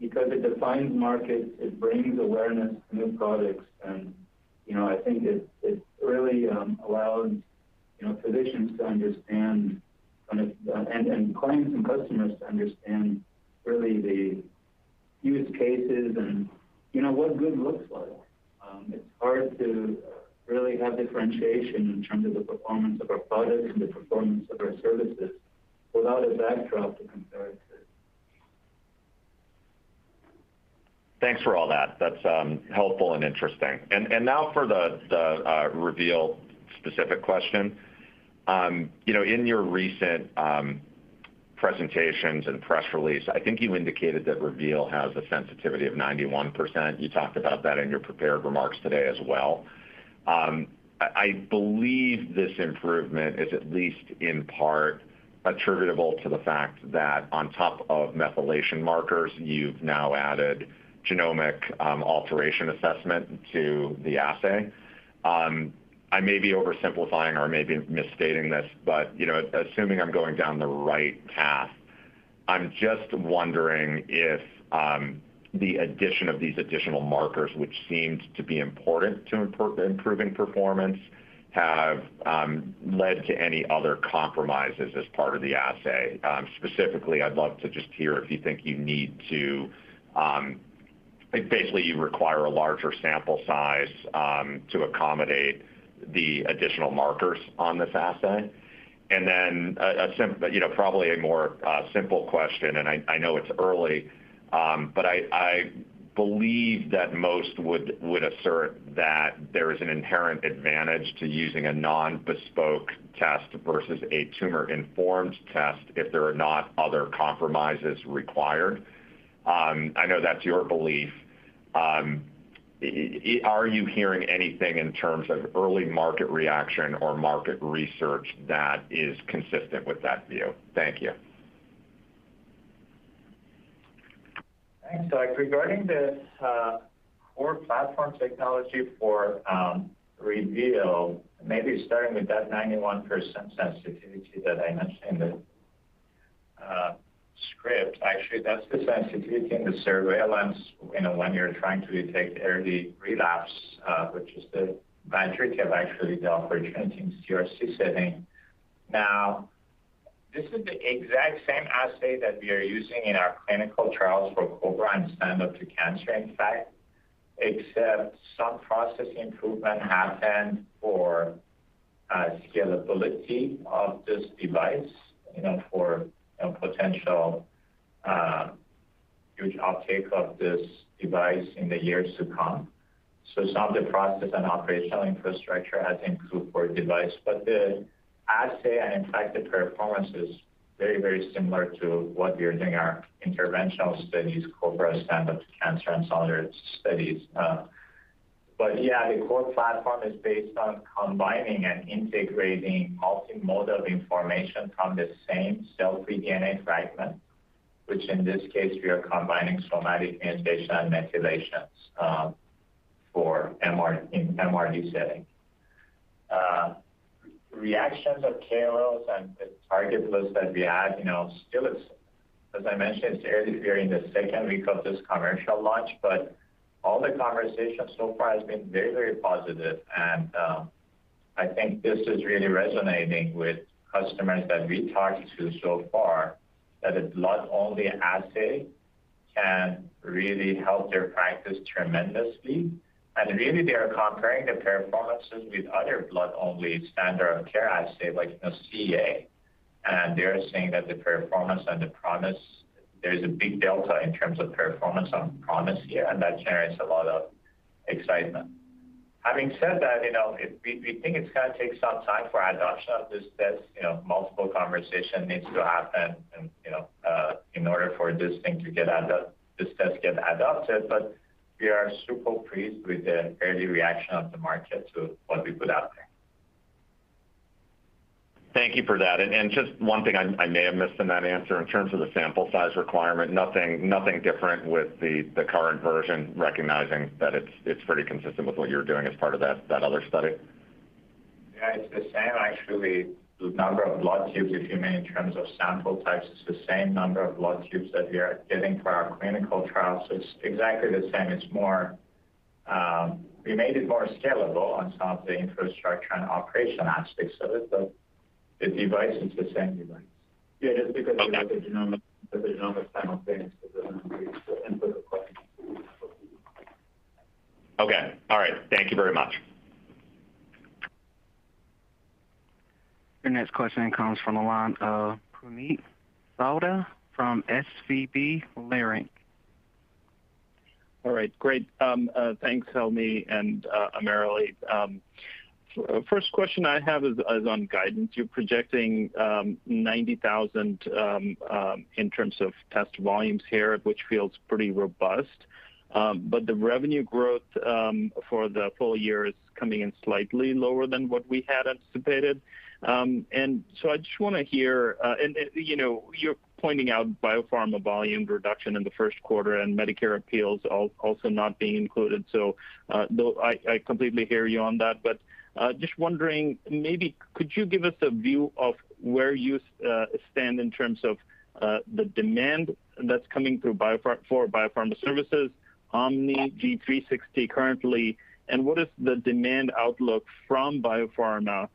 Because it defines markets, it brings awareness to new products. And I think it really allows physicians to understand, and clients, and customers to understand. Really the use cases, and what good looks like? It's hard to really have differentiation. In terms of the performance of our products, and the performance of our services. Without a backdrop to compare it to. Thanks for all that. That's helpful and interesting. Now for the Reveal specific question. In your recent presentations, and press release. I think you indicated that Reveal has a sensitivity of 91%. You talked about that, in your prepared remarks today as well. I believe this improvement, is at least in part attributable to the fact. That on top of methylation markers, you've now added genomic alteration assessment to the assay. I may be oversimplifying or maybe misstating this, but assuming I'm going down the right path. I'm just wondering, if the addition of these additional markers. Which seemed to be important, to improving performance? Have led to any other compromises, as part of the assay. Specifically, I'd love to just hear. If you think you need to, basically require a larger sample size? To accommodate the additional markers on this assay. Probably, a more simple question, I know it's early. I believe that most would assert, that there is an inherent advantage. To using a non-bespoke test, versus a tumor-informed test. If there are not other compromises required. I know that's your belief. Are you hearing anything in terms of early market reaction or market research, that is consistent with that view? Thank you. Thanks, Doug. Regarding the core platform technology for Reveal. Maybe starting with that 91% sensitivity, that I mentioned in script. Actually, that's the sensitivity in the surveillance, when you're trying to detect early relapse. Which is the biometric of actually the operation in CRC setting. Now, this is the exact same assay, that we are using in our clinical trials for COBRA, and Stand Up To Cancer. In fact, except some process improvement happened, for scalability of this device. For potential huge uptake, of this device in the years to come. Some of the process, and operational infrastructure has improved for device. But the assay, and in fact, the performance is very similar to what we are doing. Our interventional studies, COBRA, Stand Up To Cancer, and other studies. Yeah, the core platform is based on combining, and integrating multimodal information. From the same cell-free DNA fragment. Which in this case, we are combining somatic mutation, and methylations in MRD setting. Reactions of KOLs, and the target list that we have. Still, as I mentioned, it's early. To be in the very second recap of this commercial launch. All the conversation so far, has been very positive. And I think this is really resonating, with customers that we talked to so far. That a blood-only assay, can really help their practice tremendously. Really, they are comparing the performances, with other blood-only standard of care assay, like CEA. They are saying that the performance, and the promise. There is a big delta in terms of performance, and promise here. And that generates a lot of excitement. Having said that, we think it's going to take some time for adoption of this test. Multiple conversation needs to happen, in order for this test to get adopted. But we are super pleased, with the early reaction of the market. To what we put out there. Thank you for that. Just one thing, I may have missed in that answer. In terms of the sample size requirement, nothing different with the current version. Recognizing that it's pretty consistent with, what you're doing as part of that other study? Yeah, it is the same actually, the number of blood tubes. If you mean in terms of sample types, it is the same number of blood tubes. That we are getting for our clinical trials. It is exactly the same. We made it more scalable on some of the infrastructure, and operation aspects of it. So, the device is the same device. Yeah, just because of the genomic panel things, because then we need to input a question. Okay. All right. Thank you very much. The next question comes from, the line of Puneet Souda from SVB Leerink. All right, great. Thanks, Helmy and AmirAli. First question I have is on guidance. You're projecting 90,000 in terms of test volumes here, which feels pretty robust? The revenue growth for the full year, is coming in slightly lower, than what we had anticipated? I just want to hear, and you're pointing out biopharma volume reduction in the first quarter. And Medicare appeals also not being included, so I completely hear you on that. But just wondering, maybe could you give us a view of? Where you stand in terms of the demand, that's coming through for biopharma services, OMNI, G360 currently? And what is the demand outlook, from biopharma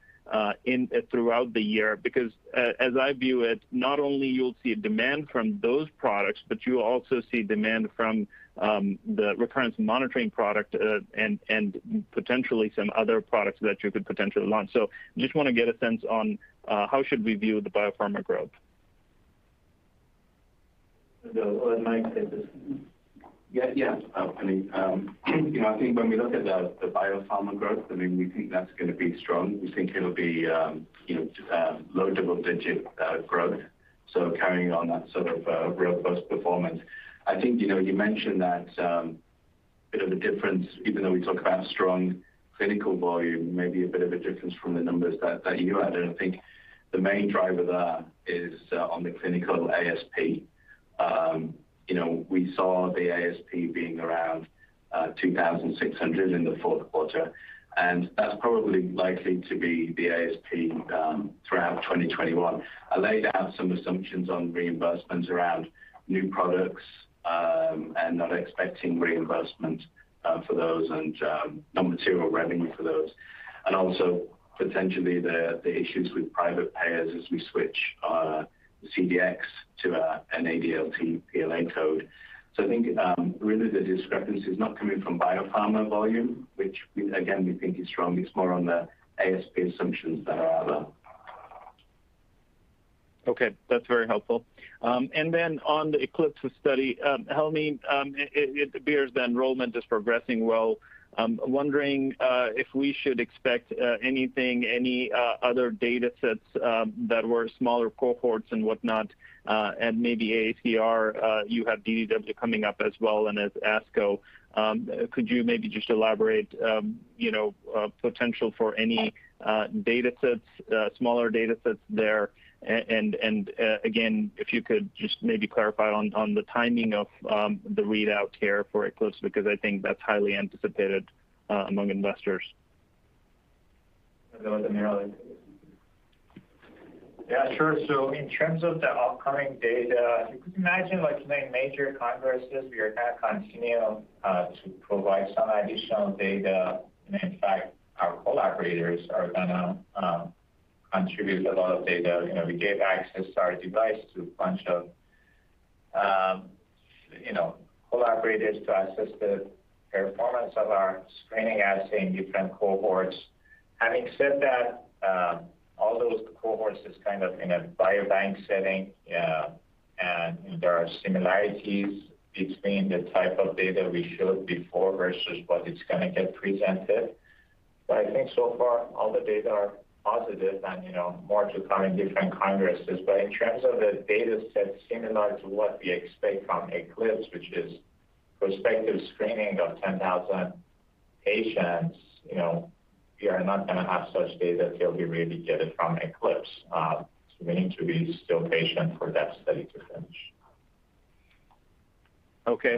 throughout the year? As I view it, not only you'll see demand from those products. But you also see demand, from the recurrence monitoring product. And potentially some other products, that you could potentially launch. Just want to get a sense on, how should we view the biopharma growth? Well, in my case, it's Yeah, Puneet. I think, when we look at the biopharma growth. We think that's going to be strong. We think it'll be low double-digit growth, so carrying on that sort of robust performance. I think, you mentioned that a bit of a difference. Even though we talk about strong clinical volume. Maybe a bit of a difference, from the numbers that you had. And I think the main driver there is on the clinical ASP. We saw the ASP being around, $2,600 in the fourth quarter. That's probably likely, to be the ASP throughout 2021. I laid out some assumptions on reimbursements around new products. Not expecting reimbursement for those, and non-material revenue for those. Also, potentially the issues with private payers. As we switch CDx to an ADLT PLA code. I think, really the discrepancy is not coming from biopharma volume. Which again, we think is strong. It's more on the ASP assumptions than other. Okay. That's very helpful. On the ECLIPSE study, Helmy, it appears the enrollment is progressing well. I'm wondering, if we should expect anything? Any other data sets that were smaller cohorts, and whatnot. And maybe AACR, you have DDW coming up as well, and as ASCO. Could you maybe just elaborate potential for any data sets, smaller data sets there? Again, if you could just maybe clarify on the timing, of the readout here for ECLIPSE? Because I think, that's highly anticipated among investors. Go to AmirAli. Yeah, sure. In terms of the upcoming data, if you could imagine like many major congresses. We are going to continue, to provide some additional data. In fact, our collaborators, are going to contribute a lot of data. We gave access to our device, to a bunch of collaborators. To assess the performance, of our screening assay in different cohorts. Having said that, all those cohorts is kind of in a biobank setting. There are similarities between the type of data, we showed before versus what is going to get presented? I think so far, all the data are positive, and more to come in different congresses. In terms of the data set similar, to what we expect from ECLIPSE? Which is prospective screening of 10,000 patients? We are not going to have such data, till we really get it from ECLIPSE. We need to be still patient, for that study to finish. Okay.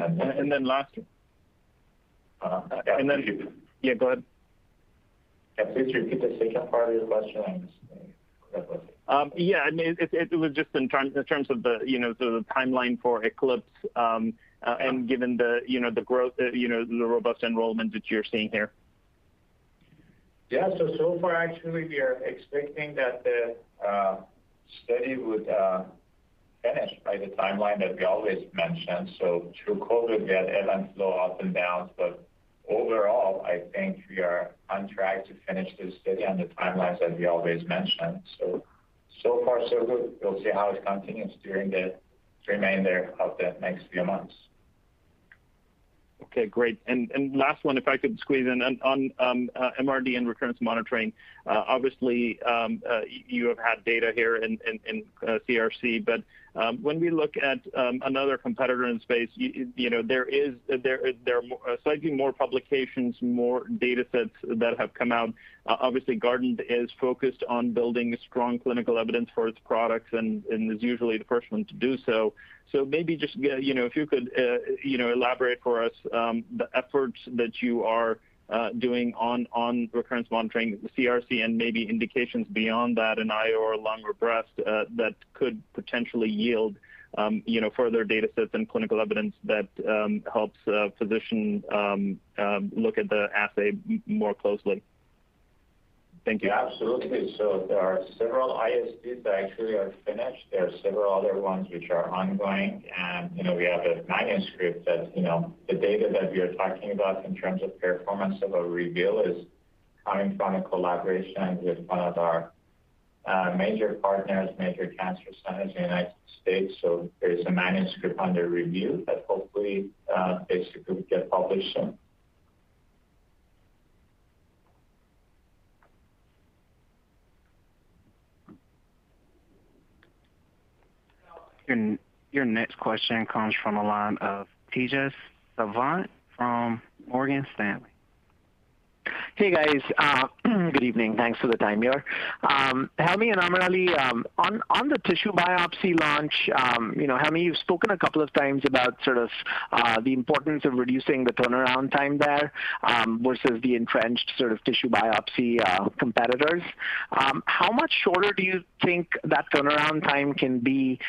Yeah, go ahead. Could you repeat the second part of your question? I missed it. Yeah, it was just in terms of the timeline for ECLIPSE. And given the growth, the robust enrollment that you're seeing here. Yeah. So far actually, we are expecting that the study. Would finish by the timeline, that we always mentioned. Through COVID, we had ups and downs. But overall, I think we are on track to finish this study on the timelines, as we always mentioned. So far so good. We'll see how it continues during, the remainder of the next few months. Okay, great. Last one, if I could squeeze in on MRD, and recurrence monitoring. Obviously, you have had data here in CRC. But when we look at, another competitor in space. There are slightly more publications, more data sets that have come out. Obviously, Guardant is focused on building strong clinical evidence. For its products, and is usually the first one to do so. Maybe just if you could elaborate for us, the efforts that you are doing on recurrence monitoring. The CRC, and maybe indications beyond that in IO or lung or breast. That could potentially yield further data sets, and clinical evidence. That helps physicians, look at the assay more closely. Thank you. Absolutely. There are several ISRs, that actually are finished. There are several other ones, which are ongoing. And we have a manuscript that the data, that we are talking about. In terms of performance of a reveal is, coming from a collaboration. With one of our major partners, major cancer centers in the United States. There is a manuscript under review, that hopefully basically will get published soon. Your next question comes, from the line of Tejas Savant from Morgan Stanley. Hey, guys. Good evening. Thanks for the time here. Helmy and AmirAli, on the tissue biopsy launch. Helmy, you've spoken a couple of times, about sort of the importance of reducing the turnaround time there. Versus the entrenched sort of tissue biopsy competitors. How much shorter do you think, that turnaround time can be?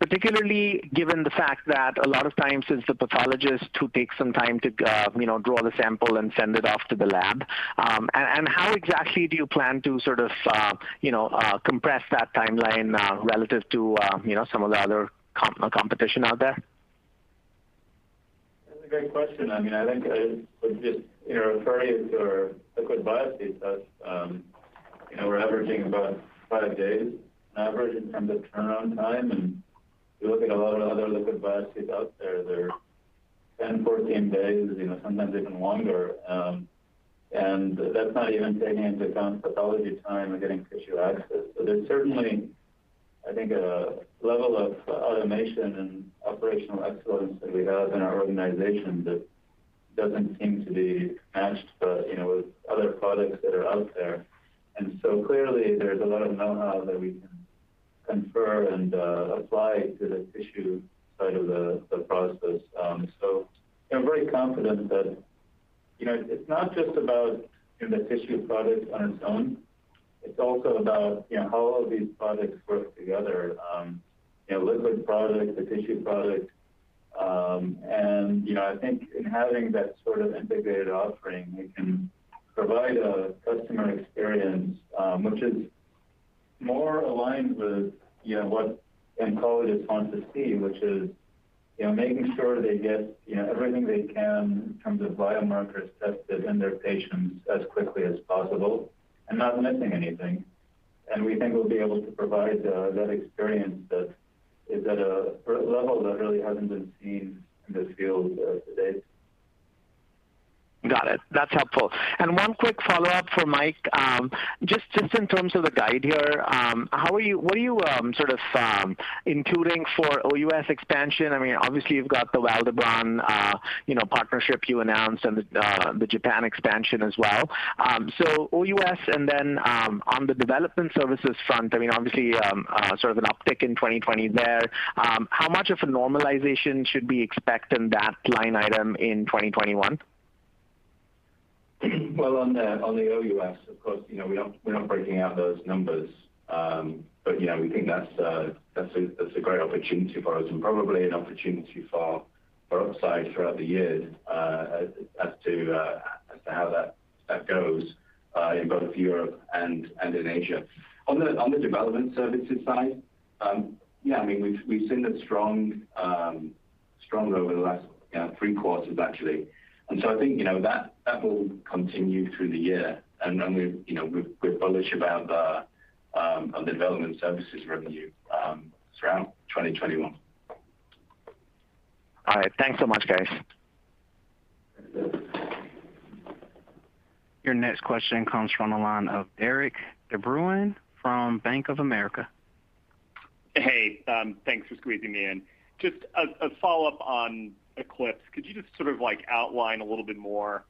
Particularly, given the fact that a lot of times. It's the pathologist, who takes some time to draw the sample, and send it off to the lab? How exactly do you plan to sort of compress that timeline, relative to some of the other competition out there? That's a great question. I think, I would just refer you to our liquid biopsy test. We're averaging about five days in average, in terms of turnaround time. If you look at a lot of other liquid biopsies out there. They're 10-14 days, sometimes even longer. That's not even taking, into account pathology time or getting tissue access. There's certainly, I think, a level of automation, and operational excellence. That we have in our organization that. Doesn't seem to be matched, with other products that are out there. Clearly there's a lot of know-how, that we can confer. And apply to the tissue side of the process. We're very confident, that it's not just about the tissue product on its own. It's also about how all these products work together? A liquid product, a tissue product. And I think in having that sort of integrated offering. We can provide a customer experience. Which is more aligned, with what oncologists want to see? Which is making sure, they get everything they can. In terms of biomarkers tested in their patients, as quickly as possible, and not missing anything. We think we'll be able to provide that experience. That is at a level, that really hasn't been seen in this field to date. Got it. That's helpful. One quick follow-up for Mike. Just in terms of the guide here, what are you including for OUS expansion? Obviously, you've got the Vall d'Hebron partnership you announced, and the Japan expansion as well. OUS, and then on the development services front. Obviously, sort of an uptick in 2020 there. How much of a normalization, should we expect in that line item in 2021? Well, on the OUS, of course, we're not breaking out those numbers. We think that's a great opportunity for us, and probably an opportunity. For upside throughout the year, as to how that goes in both Europe, and in Asia. On the development services side, we've seen it strong over the last three quarters, actually. I think that will continue through the year, and then we're bullish about. The development services revenue throughout 2021. All right. Thanks so much, guys. Your next question comes from, the line of Derik De Bruin from Bank of America. Hey. Thanks for squeezing me in. Just a follow-up on ECLIPSE. Could you just sort of outline a little bit more?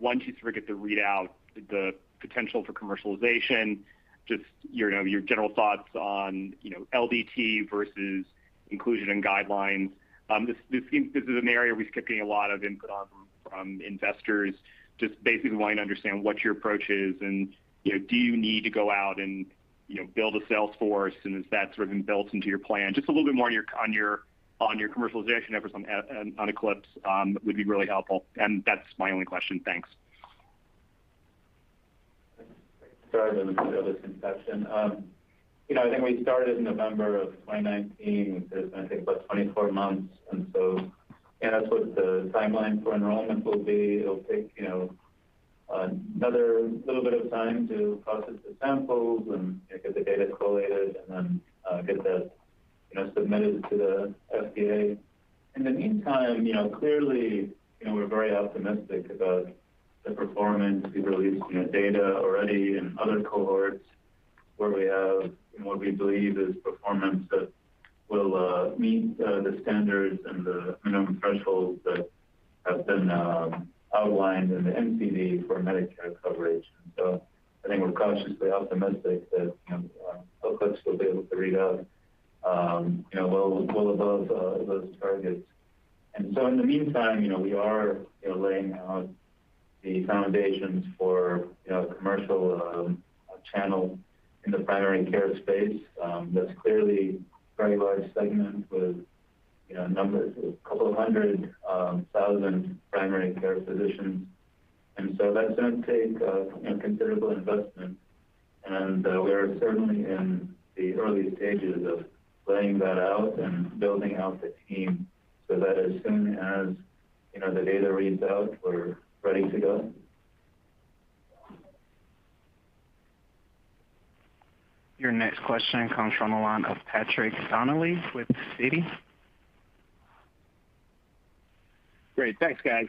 Once you sort of get the readout, the potential for commercialization. Just your general thoughts on LDT versus inclusion, and guidelines. This is an area we've kept getting a lot of input on from investors. Just basically wanting to understand, what your approach is? And do you need to go out, and build a sales force. And is that sort of inbuilt into your plan? Just a little bit more, on your commercialization efforts on Eclipse would be really helpful. That's my only question. Thanks. Sorry, I'm going to steal this. I think I started in November of 2019, which is going to take about 24 months. That's what the timeline for enrollment will be. It'll take another little bit of time, to process the samples. And get the data collated, and then get that submitted to the FDA. In the meantime, clearly, we're very optimistic about the performance. We've released data already in other cohorts. Where we have, what we believe is performance that will meet the standards, and the minimum thresholds. That have been outlined in the NCD for Medicare coverage. I think we're cautiously optimistic that ECLIPSE, will be able to read out, well above those targets. In the meantime, we are laying out the foundations. For a commercial channel in the primary care space. That's clearly a very large segment, with 200,000 primary care physicians. That's going to take a considerable investment, and we are certainly. In the early stages of laying that out, and building out the team. So that as soon as the data reads out, we're ready to go. Your next question comes from, the line of Patrick Donnelly with Citi. Great. Thanks, guys.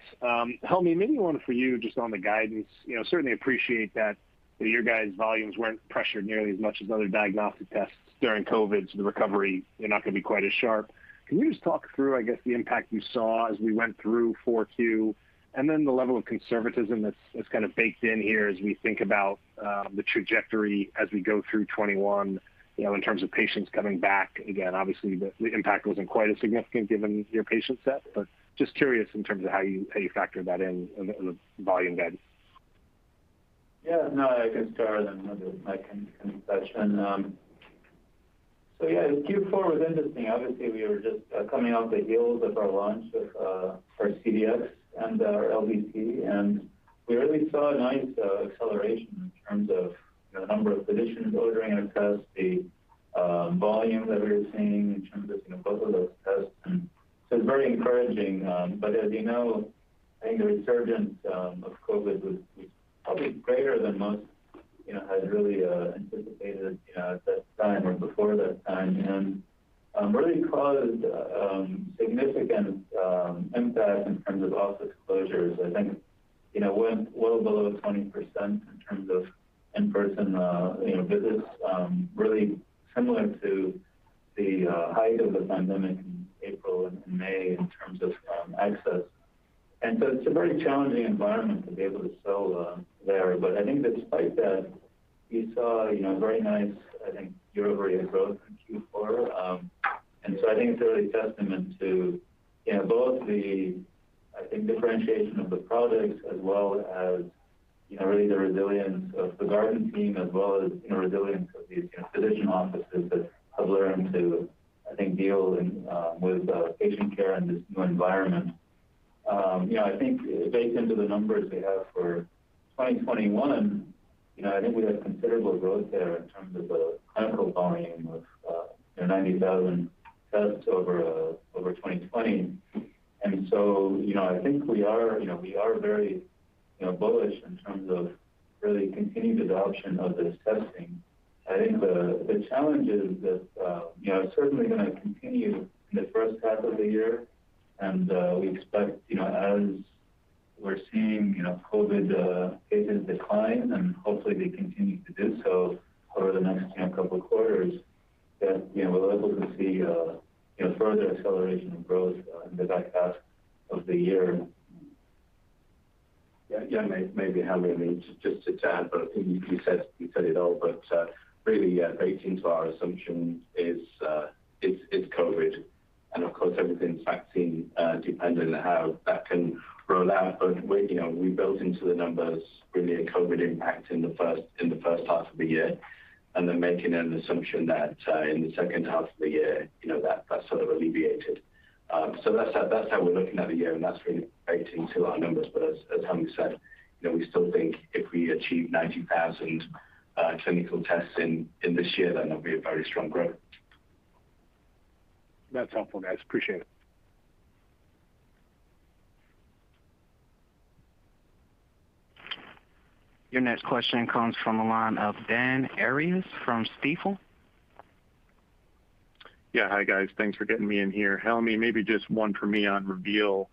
Helmy, maybe one for you just on the guidance. Certainly, appreciate that your guys' volumes weren't pressured nearly, as much as other diagnostic tests during COVID. The recovery is not going to be quite as sharp. Can you just talk through? I guess, the impact you saw, as we went through 4Q. And then the level of conservatism, that's kind of baked in here. As we think about the trajectory, as we go through 2021. In terms of patients coming back. Again, obviously, the impact wasn't quite as significant given your patient set. Just curious in terms of, how you factor that in the volume guide? No, I can start, and then Mike can touch in. Yeah, Q4 was interesting. Obviously, we were just coming off the heels of our launch. With our CDx, and our LDT. And we really saw a nice acceleration, in terms of the number of physicians ordering a test. The volume that we were seeing, in terms of both of those tests. It's very encouraging. As you know, I think the resurgence of COVID was probably greater than most. Had really anticipated, at that time or before that time. And really caused, a significant impact in terms of office closures. Well below 20% in terms of in-person visits. Really similar to the height of the pandemic in April, and May in terms of access. It's a very challenging environment to be able to sell there. Despite that, we saw a very nice. I think, year-over-year growth in Q4. I think, it's really a testament to both the, I think, differentiation of the products. As well as really the resilience of the Guardant team as well. As the resilience of these clinician offices, that have learned to. I think, deal with patient care in this new environment. I think based on the numbers we have for 2021. I think we have considerable growth there, in terms of clinical volume with 90,000 tests over 2020. I think we are very bullish, in terms of really continued adoption of this testing. I think the challenge is that, it's certainly going to continue in the first half of the year. We expect, as we're seeing COVID cases decline. And hopefully, they continue to do so over the next couple of quarters. That we're likely to see further acceleration, in growth in the back half of the year. Yeah, maybe Helmy needs just to add, but I think you said it all. But really, baked into our assumption is COVID. Of course, everything's vaccine dependent on, how that can roll out? We built into the numbers really a COVID impact, in the first half of the year. And then making an assumption, that in the second half of the year, that's sort of alleviated. That's how we're looking at the year, and that's really baked into our numbers. As Helmy said, we still think if we achieve 90,000 clinical tests in this year. Then it'll be a very strong growth. That's helpful, guys. Appreciate it. Your next question comes from, the line of Dan Arias from Stifel. Yeah. Hi, guys. Thanks for getting me in here. Helmy, maybe just one for me on Reveal.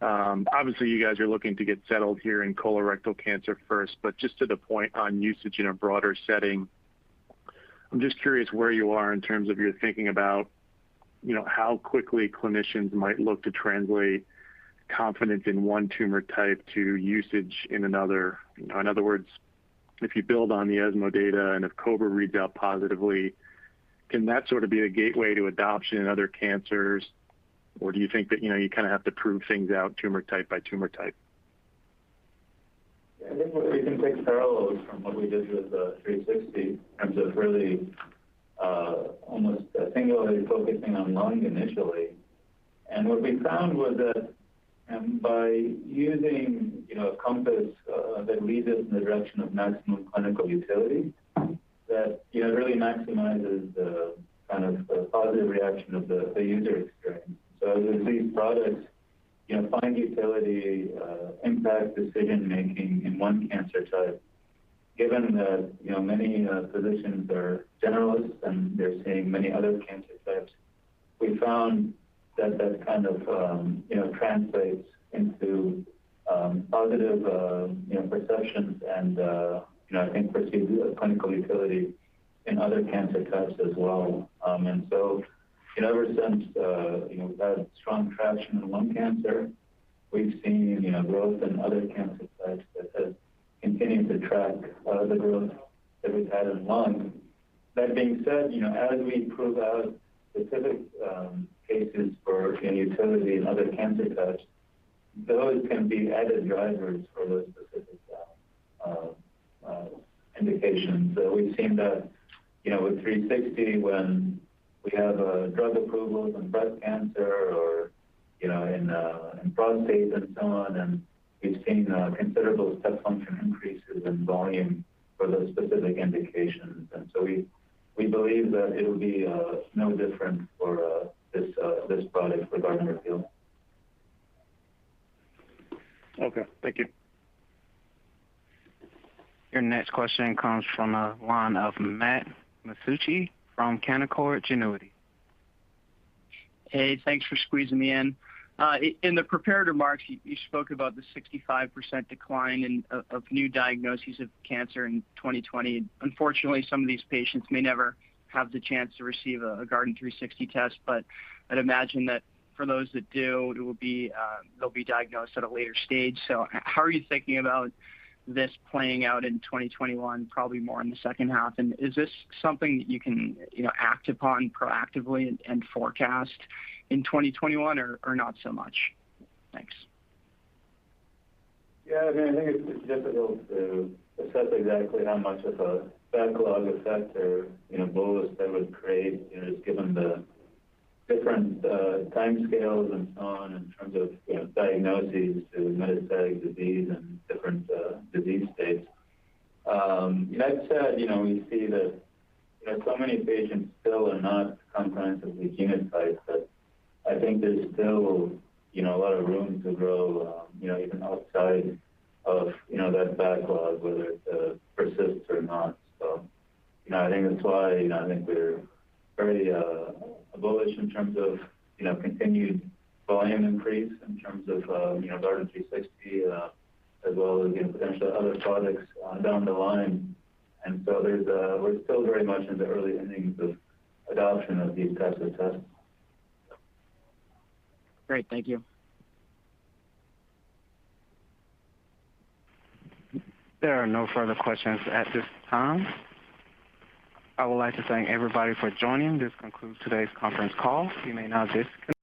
Obviously, you guys are looking to get settled here in colorectal cancer first. But just to the point on usage in a broader setting. I'm just curious, where you are in terms of your thinking about? How quickly clinicians might look to translate? Confidence in one tumor type, to usage in another. In other words, if you build on the ESMO data, and if COBRA reads out positively. Can that sort of be a gateway, to adoption in other cancers? Or do you think that you kind of have, to prove things out tumor type by tumor type? I think we can take parallels from, what we did with Guardant360? In terms of really, almost singularly focusing on lung initially. What we found, was that by using a compass. That leads us in the direction of maximum clinical utility. That really maximizes, the positive reaction of the user experience. As these products find utility, impact decision-making in one cancer type. Given that many physicians are generalists, and they're seeing many other cancer types. We found that translates into positive perceptions. And, I think perceived clinical utility, in other cancer types as well. Ever since we've had strong traction in lung cancer. We've seen growth in other cancer types, that has continued to track, the growth that we've had in lung. That being said, as we prove out specific cases for utility in other cancer types. Those can be added drivers, for those specific indications. We've seen that with G360, when we have drug approvals in breast cancer or in prostate, and so on. We've seen considerable step function, increases in volume for those specific indications. We believe that it'll be no different, for this product regarding Reveal. Okay. Thank you. Your next question comes from, the line of Max Masucci from Canaccord Genuity. Hey, thanks for squeezing me in. In the prepared remarks, you spoke about the 65% decline, of new diagnoses of cancer in 2020. Unfortunately, some of these patients may never have the chance. To receive a Guardant360 test, but I'd imagine that for those that do. They'll be diagnosed at a later stage. How are you thinking, about this playing out in 2021? Probably more in the second half? Is this something that you can act upon proactively, and forecast in 2021 or not so much? Thanks. Yeah, I think it's difficult to assess exactly, how much of a backlog effect, or bolus that would create. Just given the different timescales, and so on in terms of diagnoses. To metastatic disease, and different disease states. That said, we see that so many patients, still are not comprehensively genotyped. That I think there's still a lot of room, to grow even outside of that backlog. Whether it persists or not. I think that's why, I think we're very bullish in terms of continued volume increase. In terms of Guardant360, as well as potential other products down the line. We're still very much in the early innings, of adoption of these types of tests. Great. Thank you. There are no further questions at this time. I would like to thank everybody for joining. This concludes today's conference call. You may now disconnect.